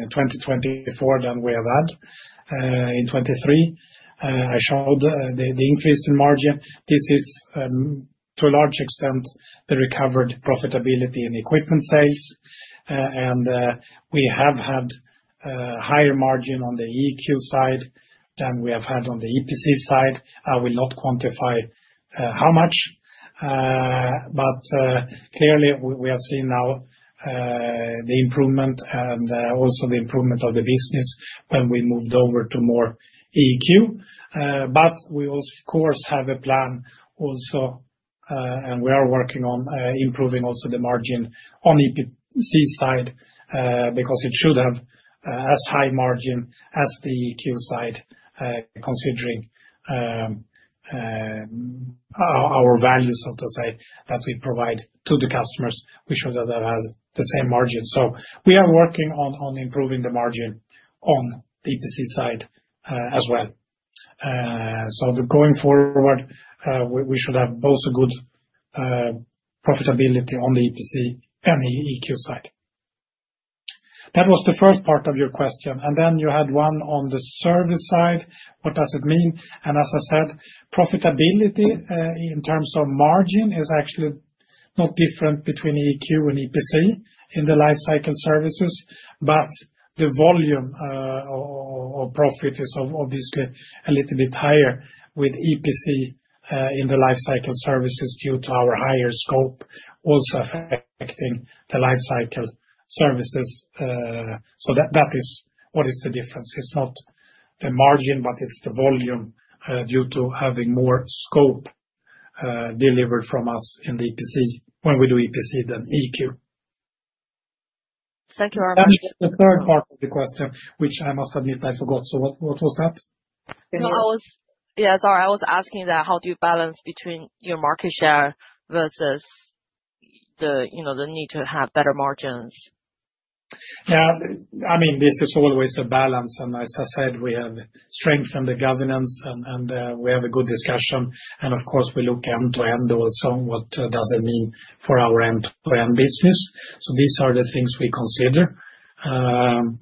B: 2024 than we have had in 2023. I showed the increase in margin. This is to a large extent the recovered profitability in equipment sales. We have had a higher margin on the EQ side than we have had on the EPC side. I will not quantify how much. Clearly, we have seen now the improvement and also the improvement of the business when we moved over to more EQ. We, of course, have a plan also, and we are working on improving also the margin on the EPC side because it should have as high margin as the EQ side, considering our values, so to say, that we provide to the customers. We should have had the same margin. We are working on improving the margin on the EPC side as well. Going forward, we should have both a good profitability on the EPC and the EQ side. That was the first part of your question. You had one on the service side. What does it mean? As I said, profitability in terms of margin is actually not different between EQ and EPC in the lifecycle services. The volume of profit is obviously a little bit higher with EPC in the lifecycle services due to our higher scope also affecting the lifecycle services. That is what is the difference. It is not the margin, but it is the volume due to having more scope delivered from us in the EPC when we do EPC than EQ. Thank you very much. The third part of the question, which I must admit I forgot. What was that? Yeah, sorry. I was asking that how do you balance between your market share versus the need to have better margins? Yeah. I mean, this is always a balance. I said we have strengthened the governance, and we have a good discussion. Of course, we look end-to-end also, what does it mean for our end-to-end business. These are the things we consider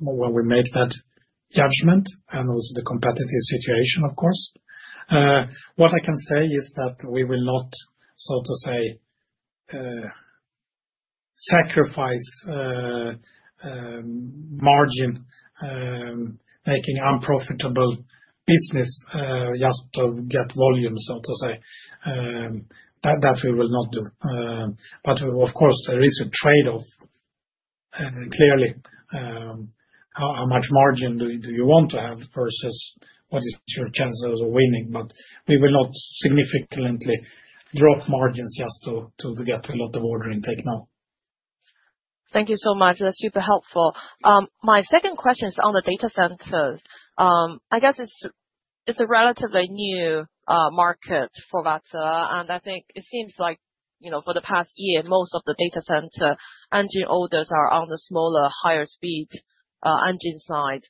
B: when we make that judgment and also the competitive situation, of course. What I can say is that we will not, so to say, sacrifice margin, making unprofitable business just to get volume, so to say. That we will not do. Of course, there is a trade-off, clearly. How much margin do you want to have versus what is your chances of winning? We will not significantly drop margins just to get a lot of order intake now. Thank you so much. That's super helpful. My second question is on the data centers. I guess it's a relatively new market for Wärtsilä. I think it seems like for the past year, most of the data center engine orders are on the smaller, higher-speed engine side.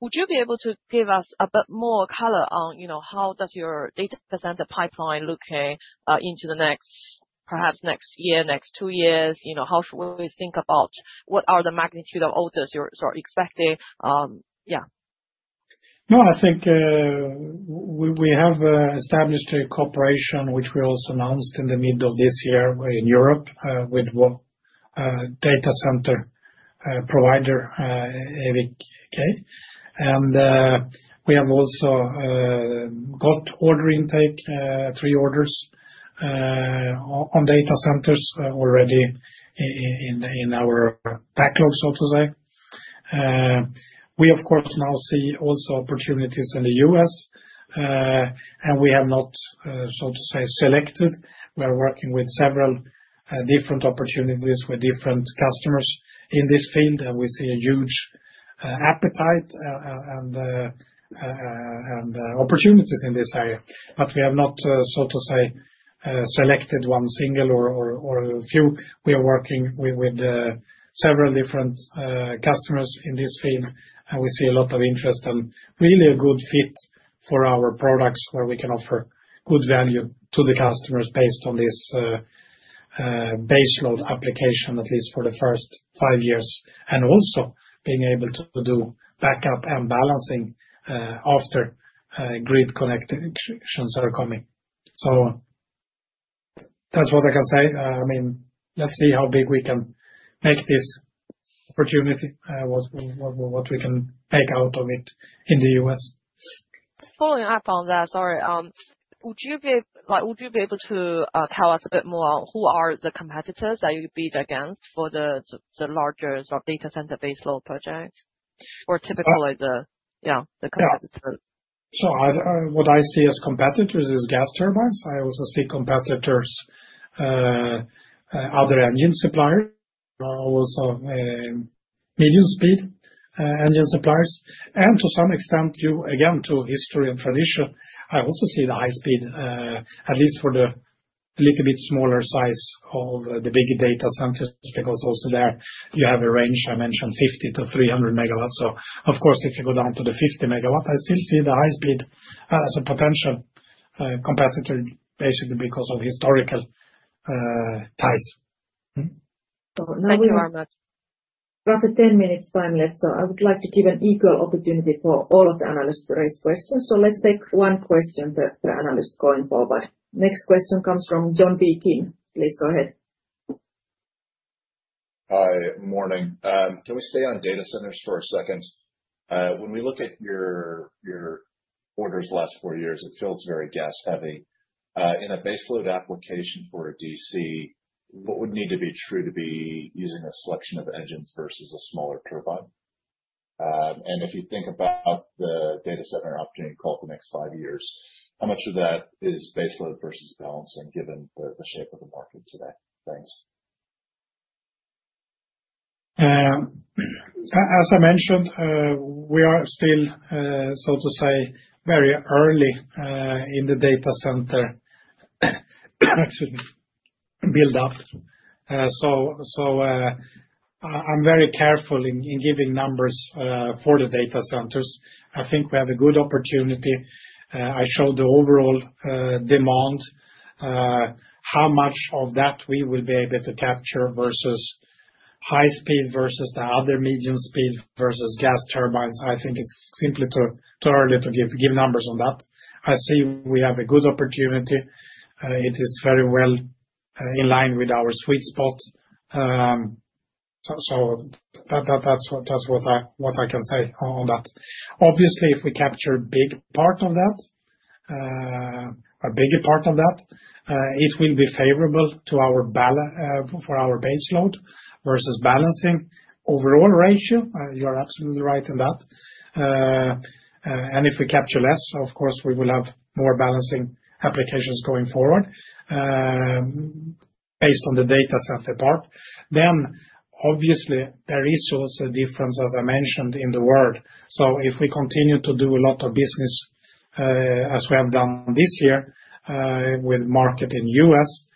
B: Would you be able to give us a bit more color on how your data center pipeline looks into the next, perhaps next year, next two years? How should we think about what are the magnitude of orders you're expecting? Yeah. No, I think we have established a cooperation, which we also announced in the middle of this year in Europe with data center provider, EVIC K. We have also got order intake, three orders on data centers already in our backlogs, so to say. We, of course, now see also opportunities in the U.S. We have not, so to say, selected. We are working with several different opportunities with different customers in this field. We see a huge appetite and opportunities in this area. We have not, so to say, selected one single or a few. We are working with several different customers in this field. We see a lot of interest and really a good fit for our products where we can offer good value to the customers based on this base load application, at least for the first five years. Also, being able to do backup and balancing after grid connections are coming. That is what I can say. I mean, let's see how big we can make this opportunity, what we can make out of it in the U.S. Following up on that, sorry. Would you be able to tell us a bit more who are the competitors that you bid against for the larger data center base load projects? Or typically the, yeah, the competitor. What I see as competitors is gas turbines. I also see competitors, other engine suppliers, also medium-speed engine suppliers. To some extent, again, to history and tradition, I also see the high-speed, at least for the little bit smaller size of the big data centers because also there you have a range, I mentioned, 50-300 megawatts. Of course, if you go down to the 50 megawatt, I still see the high-speed as a potential competitor, basically because of historical ties. Thank you very much.
A: We have a 10-minute time left. I would like to give an equal opportunity for all of the analysts to raise questions. Let's take one question per analyst going forward. Next question comes from John Beekin. Please go ahead. Hi, morning. Can we stay on data centers for a second? When we look at your orders last four years, it feels very gas-heavy. In a base load application for a DC, what would need to be true to be using a selection of engines versus a smaller turbine? If you think about the data center opportunity called the next five years, how much of that is base load versus balancing given the shape of the market today? Thanks.
B: As I mentioned, we are still, so to say, very early in the data center build-up. I am very careful in giving numbers for the data centers. I think we have a good opportunity. I showed the overall demand, how much of that we will be able to capture versus high-speed versus the other medium-speed versus gas turbines. I think it's simply too early to give numbers on that. I see we have a good opportunity. It is very well in line with our sweet spot. That is what I can say on that. Obviously, if we capture a big part of that, a bigger part of that, it will be favorable for our base load versus balancing overall ratio. You are absolutely right in that. If we capture less, of course, we will have more balancing applications going forward based on the data center part. Obviously, there is also a difference, as I mentioned, in the world. If we continue to do a lot of business, as we have done this year with market in the U.S.,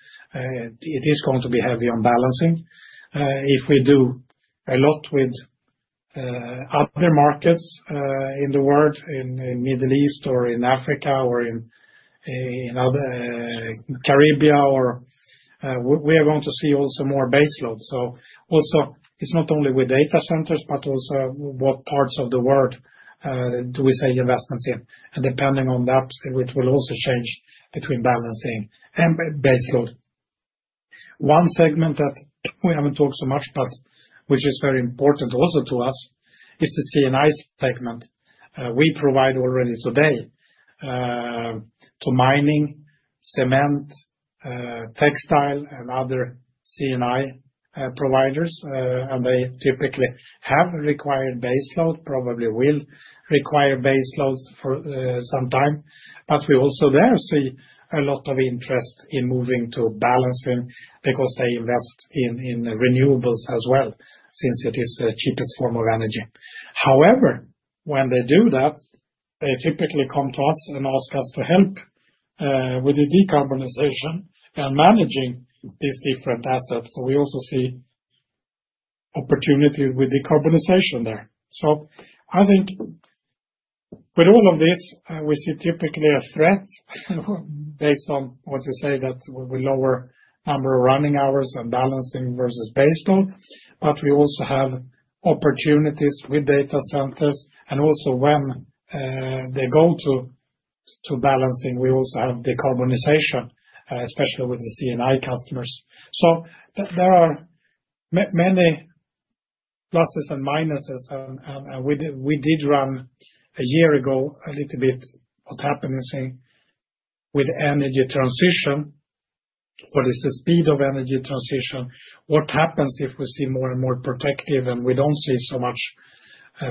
B: it is going to be heavy on balancing. If we do a lot with other markets in the world, in the Middle East or in Africa or in the Caribbean, we are going to see also more base load. Also, it's not only with data centers, but also what parts of the world do we save investments in? Depending on that, it will also change between balancing and base load. One segment that we haven't talked so much about, but which is very important also to us, is the CNI segment. We provide already today to mining, cement, textile, and other CNI providers. They typically have required base load, probably will require base load for some time. We also there see a lot of interest in moving to balancing because they invest in renewables as well since it is the cheapest form of energy. However, when they do that, they typically come to us and ask us to help with the decarbonization and managing these different assets. We also see opportunity with decarbonization there. I think with all of this, we see typically a threat based on what you say, that we lower number of running hours and balancing versus base load. We also have opportunities with data centers. Also, when they go to balancing, we also have decarbonization, especially with the CNI customers. There are many pluses and minuses. We did run a year ago a little bit what happens with energy transition, what is the speed of energy transition, what happens if we see more and more protective, and we do not see so much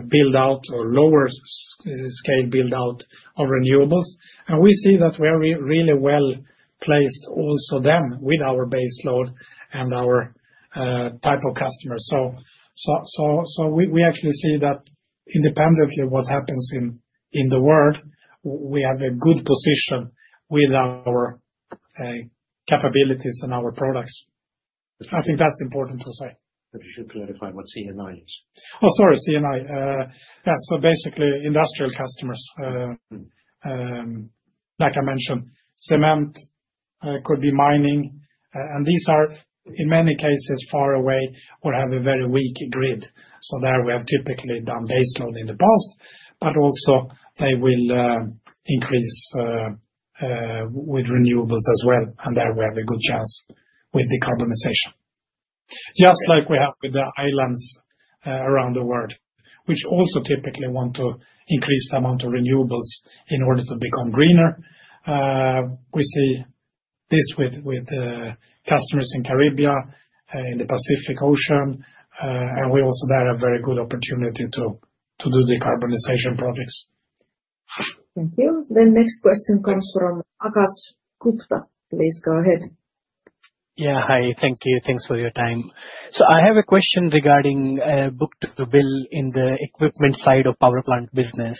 B: build-out or lower-scale build-out of renewables. We see that we are really well placed also then with our base load and our type of customers. We actually see that independently of what happens in the world, we have a good position with our capabilities and our products. I think that is important to say. If you should clarify what CNI is. Oh, sorry, CNI. Yeah. Basically, industrial customers, like I mentioned, cement could be mining. These are, in many cases, far away or have a very weak grid. There we have typically done base load in the past, but also they will increase with renewables as well. There we have a good chance with decarbonization. Just like we have with the islands around the world, which also typically want to increase the amount of renewables in order to become greener. We see this with customers in the Caribbean, in the Pacific Ocean. We also there have very good opportunity to do decarbonization projects.
A: Thank you. The next question comes from Agas Gupta. Please go ahead. Yeah. Hi. Thank you. Thanks for your time. I have a question regarding book-to-bill in the equipment side of power plant business.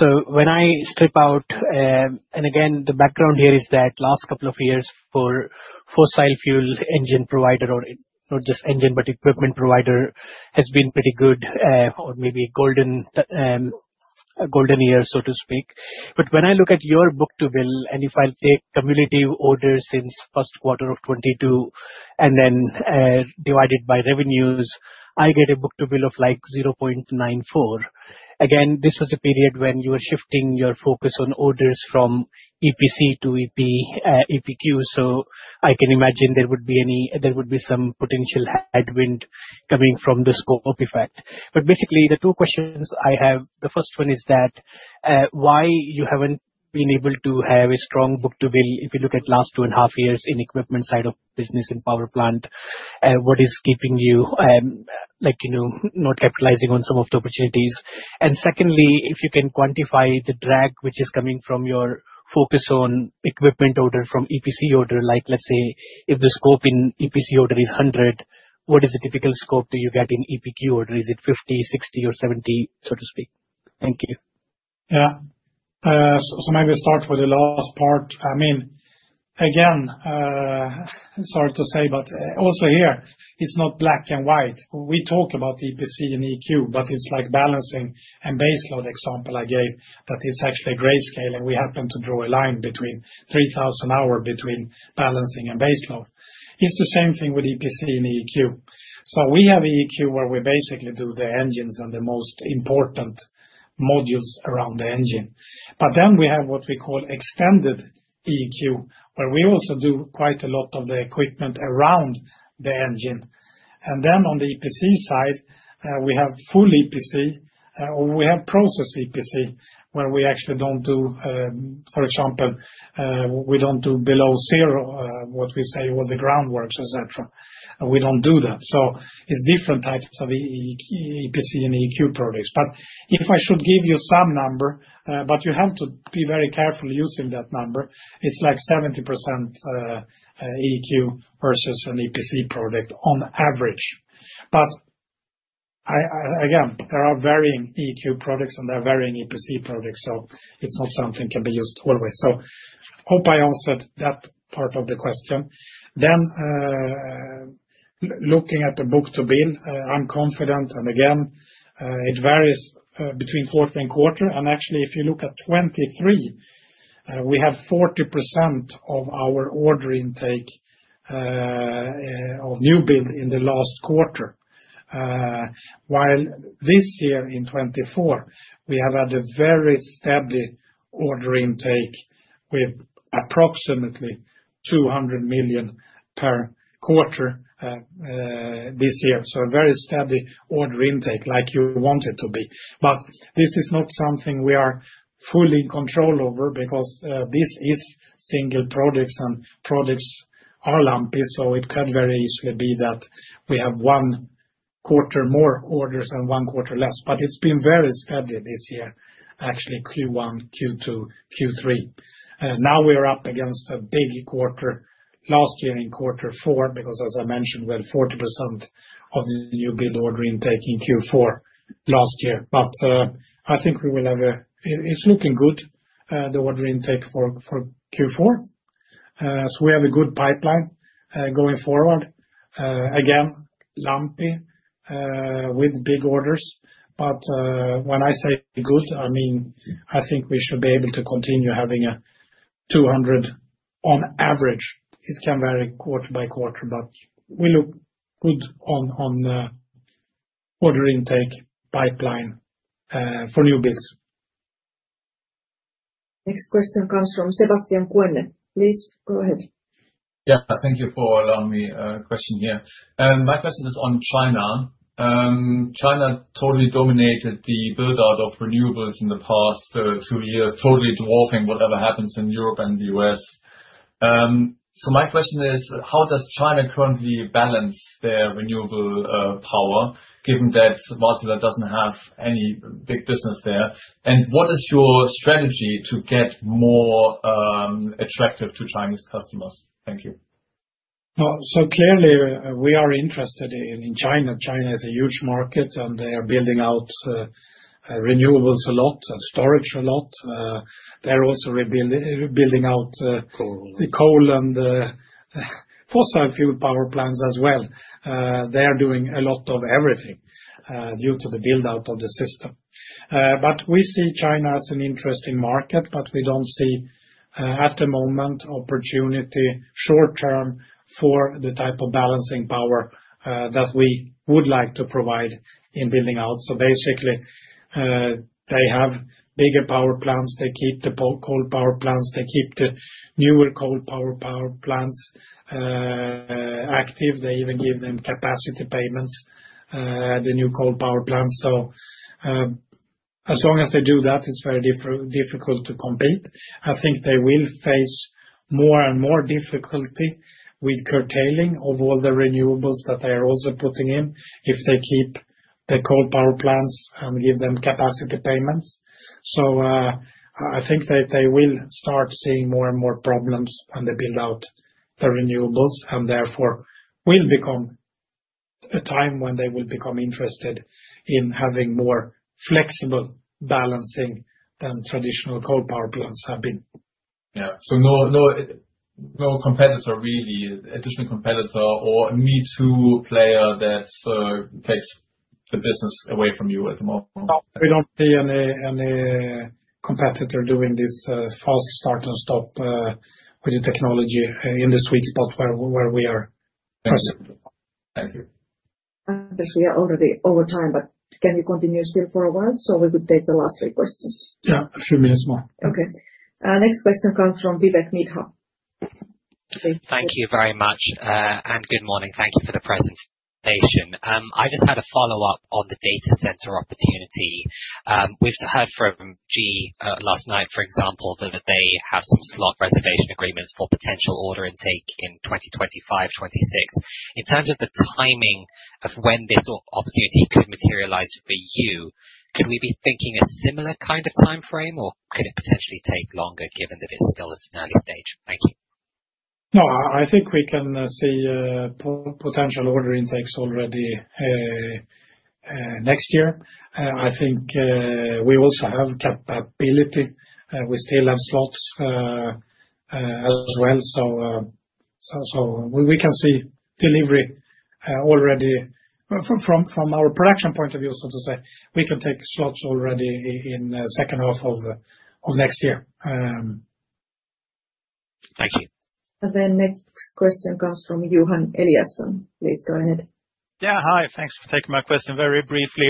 A: When I strip out, and again, the background here is that last couple of years for fossil fuel engine provider, or not just engine, but equipment provider, has been pretty good or maybe a golden year, so to speak. When I look at your book-to-bill, and if I take cumulative orders since first quarter of 2022 and then divide by revenues, I get a book-to-bill of like 0.94. This was a period when you were shifting your focus on orders from EPC to EQ. I can imagine there would be some potential headwind coming from the scope effect. Basically, the two questions I have, the first one is why you haven't been able to have a strong book-to-bill if you look at the last two and a half years in the equipment side of business in power plant. What is keeping you not capitalizing on some of the opportunities? Secondly, if you can quantify the drag which is coming from your focus on equipment order from EPC order, like let's say if the scope in EPC order is 100, what is the typical scope do you get in EQ order? Is it 50, 60, or 70, so to speak? Thank you.
B: Yeah. Maybe start with the last part. I mean, again, sorry to say, but also here, it's not black and white. We talk about EPC and EQ, but it's like balancing and base load example I gave that it's actually grayscale. We happen to draw a line between 3,000 hours between balancing and base load. It's the same thing with EPC and EQ. We have EQ where we basically do the engines and the most important modules around the engine. We have what we call extended EQ, where we also do quite a lot of the equipment around the engine. On the EPC side, we have full EPC, or we have process EPC, where we actually do not do, for example, we do not do below zero, what we say, all the groundworks, etc. We do not do that. It is different types of EPC and EQ products. If I should give you some number, but you have to be very careful using that number, it is like 70% EQ versus an EPC product on average. Again, there are varying EQ products and there are varying EPC products. It is not something that can be used always. I hope I answered that part of the question. Looking at the book-to-bill, I am confident. Again, it varies between quarter and quarter. Actually, if you look at 2023, we have 40% of our order intake of new build in the last quarter. While this year in 2024, we have had a very steady order intake with approximately 200 million per quarter this year. A very steady order intake like you want it to be. This is not something we are fully in control over because this is single products and products are lumpy. It could very easily be that we have one quarter more orders and one quarter less. It has been very steady this year, actually, Q1, Q2, Q3. Now we are up against a big quarter last year in Q4 because, as I mentioned, we had 40% of the new build order intake in Q4 last year. I think it is looking good, the order intake for Q4. We have a good pipeline going forward. Again, lumpy with big orders. When I say good, I mean, I think we should be able to continue having a 200 on average. It can vary quarter by quarter, but we look good on order intake pipeline for new bids.
A: Next question comes from Sebastian Koenen. Please go ahead. Thank you for allowing me a question here. My question is on China. China totally dominated the build-out of renewables in the past two years, totally dwarfing whatever happens in Europe and the U.S. My question is, how does China currently balance their renewable power, given that Wärtsilä does not have any big business there? What is your strategy to get more attractive to Chinese customers? Thank you.
B: Clearly, we are interested in China. China is a huge market, and they are building out renewables a lot and storage a lot. They're also building out the coal and fossil fuel power plants as well. They are doing a lot of everything due to the build-out of the system. We see China as an interesting market, but we don't see at the moment opportunity short-term for the type of balancing power that we would like to provide in building out. Basically, they have bigger power plants. They keep the coal power plants. They keep the newer coal power plants active. They even give them capacity payments, the new coal power plants. As long as they do that, it's very difficult to compete. I think they will face more and more difficulty with curtailing of all the renewables that they are also putting in if they keep the coal power plants and give them capacity payments. I think that they will start seeing more and more problems when they build out the renewables. Therefore, there will become a time when they will become interested in having more flexible balancing than traditional coal power plants have been. Yeah. No competitor really, additional competitor or a me-too player that takes the business away from you at the moment. We do not see any competitor doing this fast start and stop with the technology in the sweet spot where we are present. Thank you.
A: I guess we are already over time, but can you continue still for a while so we could take the last three questions?
B: Yeah. A few minutes more.
A: Okay. Next question comes from Vivek Midha. Thank you very much. And good morning. Thank you for the presentation. I just had a follow-up on the data center opportunity. We've heard from GE last night, for example, that they have some slot reservation agreements for potential order intake in 2025, 2026. In terms of the timing of when this opportunity could materialize for you, could we be thinking a similar kind of time frame, or could it potentially take longer given that it's still at an early stage? Thank you.
B: No, I think we can see potential order intakes already next year. I think we also have capability. We still have slots as well. We can see delivery already. From our production point of view, so to say, we can take slots already in the second half of next year. Thank you.
A: Next question comes from Johan Eliasson. Please go ahead. Yeah. Hi. Thanks for taking my question very briefly.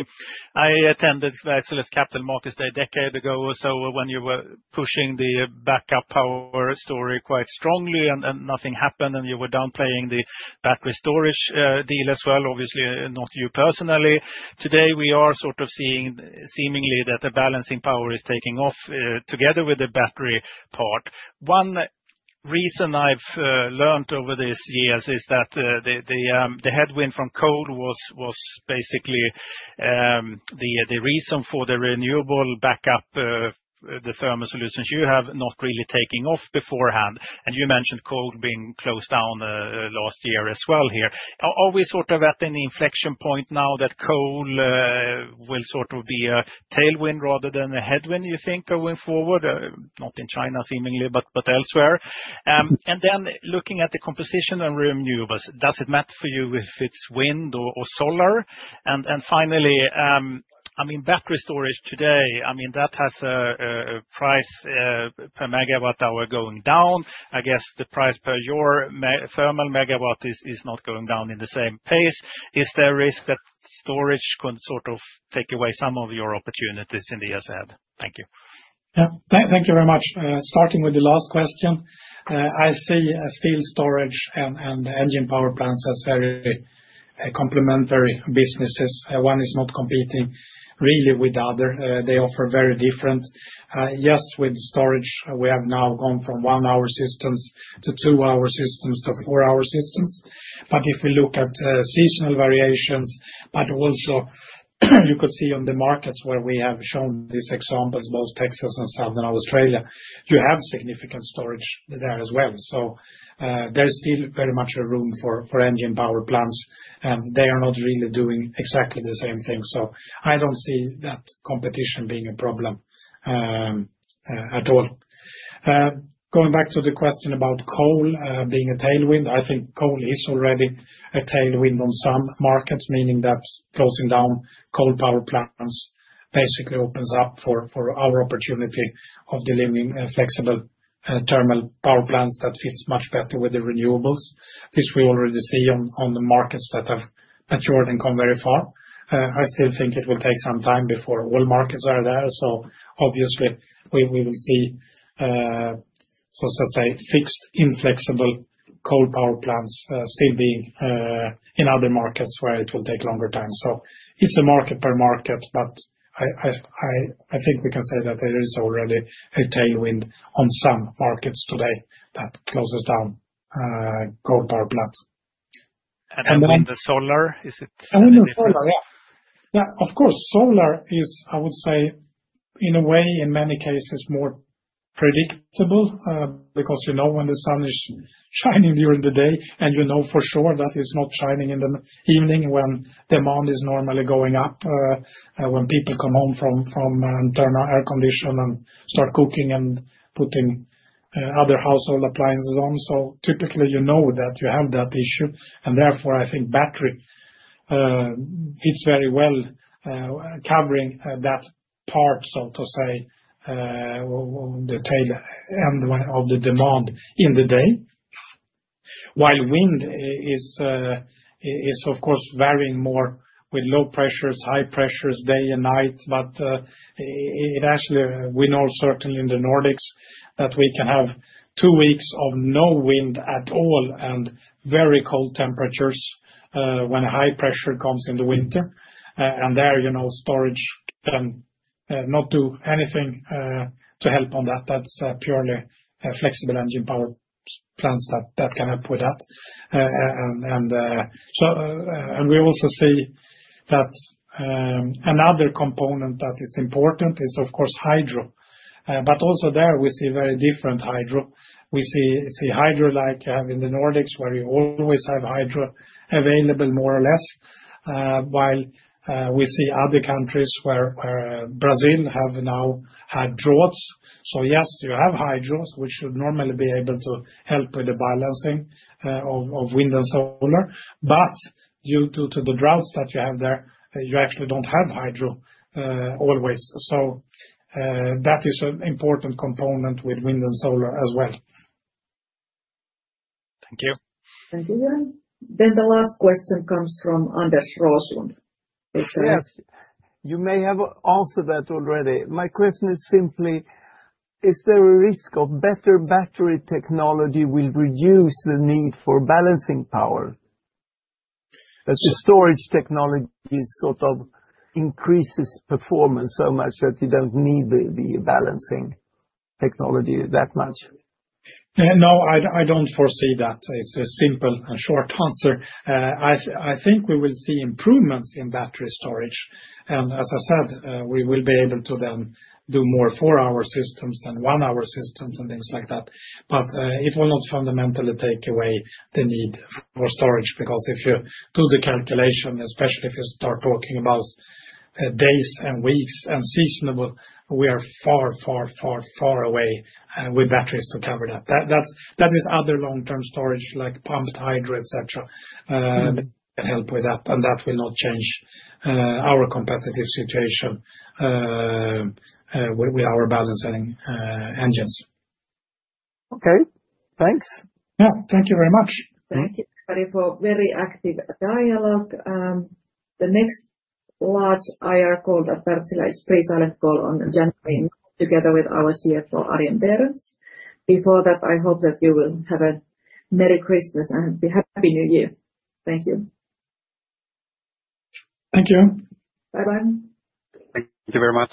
A: I attended Wärtsilä's capital markets a decade ago or so when you were pushing the backup power story quite strongly, and nothing happened, and you were downplaying the battery storage deal as well, obviously not you personally. Today, we are sort of seeing seemingly that the balancing power is taking off together with the battery part. One reason I've learned over these years is that the headwind from coal was basically the reason for the renewable backup, the thermal solutions you have, not really taking off beforehand. You mentioned coal being closed down last year as well here. Are we sort of at an inflection point now that coal will sort of be a tailwind rather than a headwind, you think, going forward? Not in China seemingly, but elsewhere. Looking at the composition of renewables, does it matter for you if it is wind or solar? Finally, I mean, battery storage today, I mean, that has a price per megawatt hour going down. I guess the price per your thermal megawatt is not going down at the same pace. Is there a risk that storage could sort of take away some of your opportunities in the years ahead? Thank you.
B: Yeah. Thank you very much. Starting with the last question, I see still storage and engine power plants as very complementary businesses. One is not competing really with the other. They offer very different. Yes, with storage, we have now gone from one-hour systems to two-hour systems to four-hour systems. If we look at seasonal variations, you could see on the markets where we have shown these examples, both Texas and Southern Australia, you have significant storage there as well. There is still very much room for engine power plants, and they are not really doing exactly the same thing. I do not see that competition being a problem at all. Going back to the question about coal being a tailwind, I think coal is already a tailwind on some markets, meaning that closing down coal power plants basically opens up for our opportunity of delivering flexible thermal power plants that fit much better with the renewables. This we already see on the markets that have matured and come very far. I still think it will take some time before all markets are there. Obviously, we will see, so to say, fixed inflexible coal power plants still being in other markets where it will take longer time. It is a market per market, but I think we can say that there is already a tailwind on some markets today that closes down coal power plants. The solar, is it? I mean, the solar, yeah. Yeah. Of course. Solar is, I would say, in a way, in many cases, more predictable because you know when the sun is shining during the day, and you know for sure that it is not shining in the evening when demand is normally going up, when people come home from an internal air condition and start cooking and putting other household appliances on. Typically, you know that you have that issue. Therefore, I think battery fits very well covering that part, so to say, the tail end of the demand in the day. While wind is, of course, varying more with low pressures, high pressures, day and night. Actually, we know certainly in the Nordics that we can have two weeks of no wind at all and very cold temperatures when a high pressure comes in the winter. There, storage cannot do anything to help on that. That is purely flexible engine power plants that can help with that. We also see that another component that is important is, of course, hydro. Also there, we see very different hydro. We see hydro like you have in the Nordics, where you always have hydro available more or less, while we see other countries where Brazil has now had droughts. Yes, you have hydro, which should normally be able to help with the balancing of wind and solar. However, due to the droughts that you have there, you actually do not have hydro always. That is an important component with wind and solar as well. Thank you.
A: Thank you, Jan. The last question comes from Anders Roslund. Yes. You may have answered that already. My question is simply, is there a risk that better battery technology will reduce the need for balancing power? The storage technology sort of increases performance so much that you do not need the balancing technology that much.
B: No, I do not foresee that. It is a simple and short answer. I think we will see improvements in battery storage. As I said, we will be able to then do more four-hour systems than one-hour systems and things like that. It will not fundamentally take away the need for storage because if you do the calculation, especially if you start talking about days and weeks and seasonable, we are far, far, far, far away with batteries to cover that. That is other long-term storage like pumped hydro, etc., that can help with that. That will not change our competitive situation with our balancing engines. Okay. Thanks. Yeah. Thank you very much.
A: Thank you, everybody, for very active dialogue. The next large IR call that Wärtsilä is pre-silent call on January together with our CFO, Arjen Berends. Before that, I hope that you will have a Merry Christmas and a Happy New Year. Thank you.
B: Thank you. Bye-bye. Thank you very much.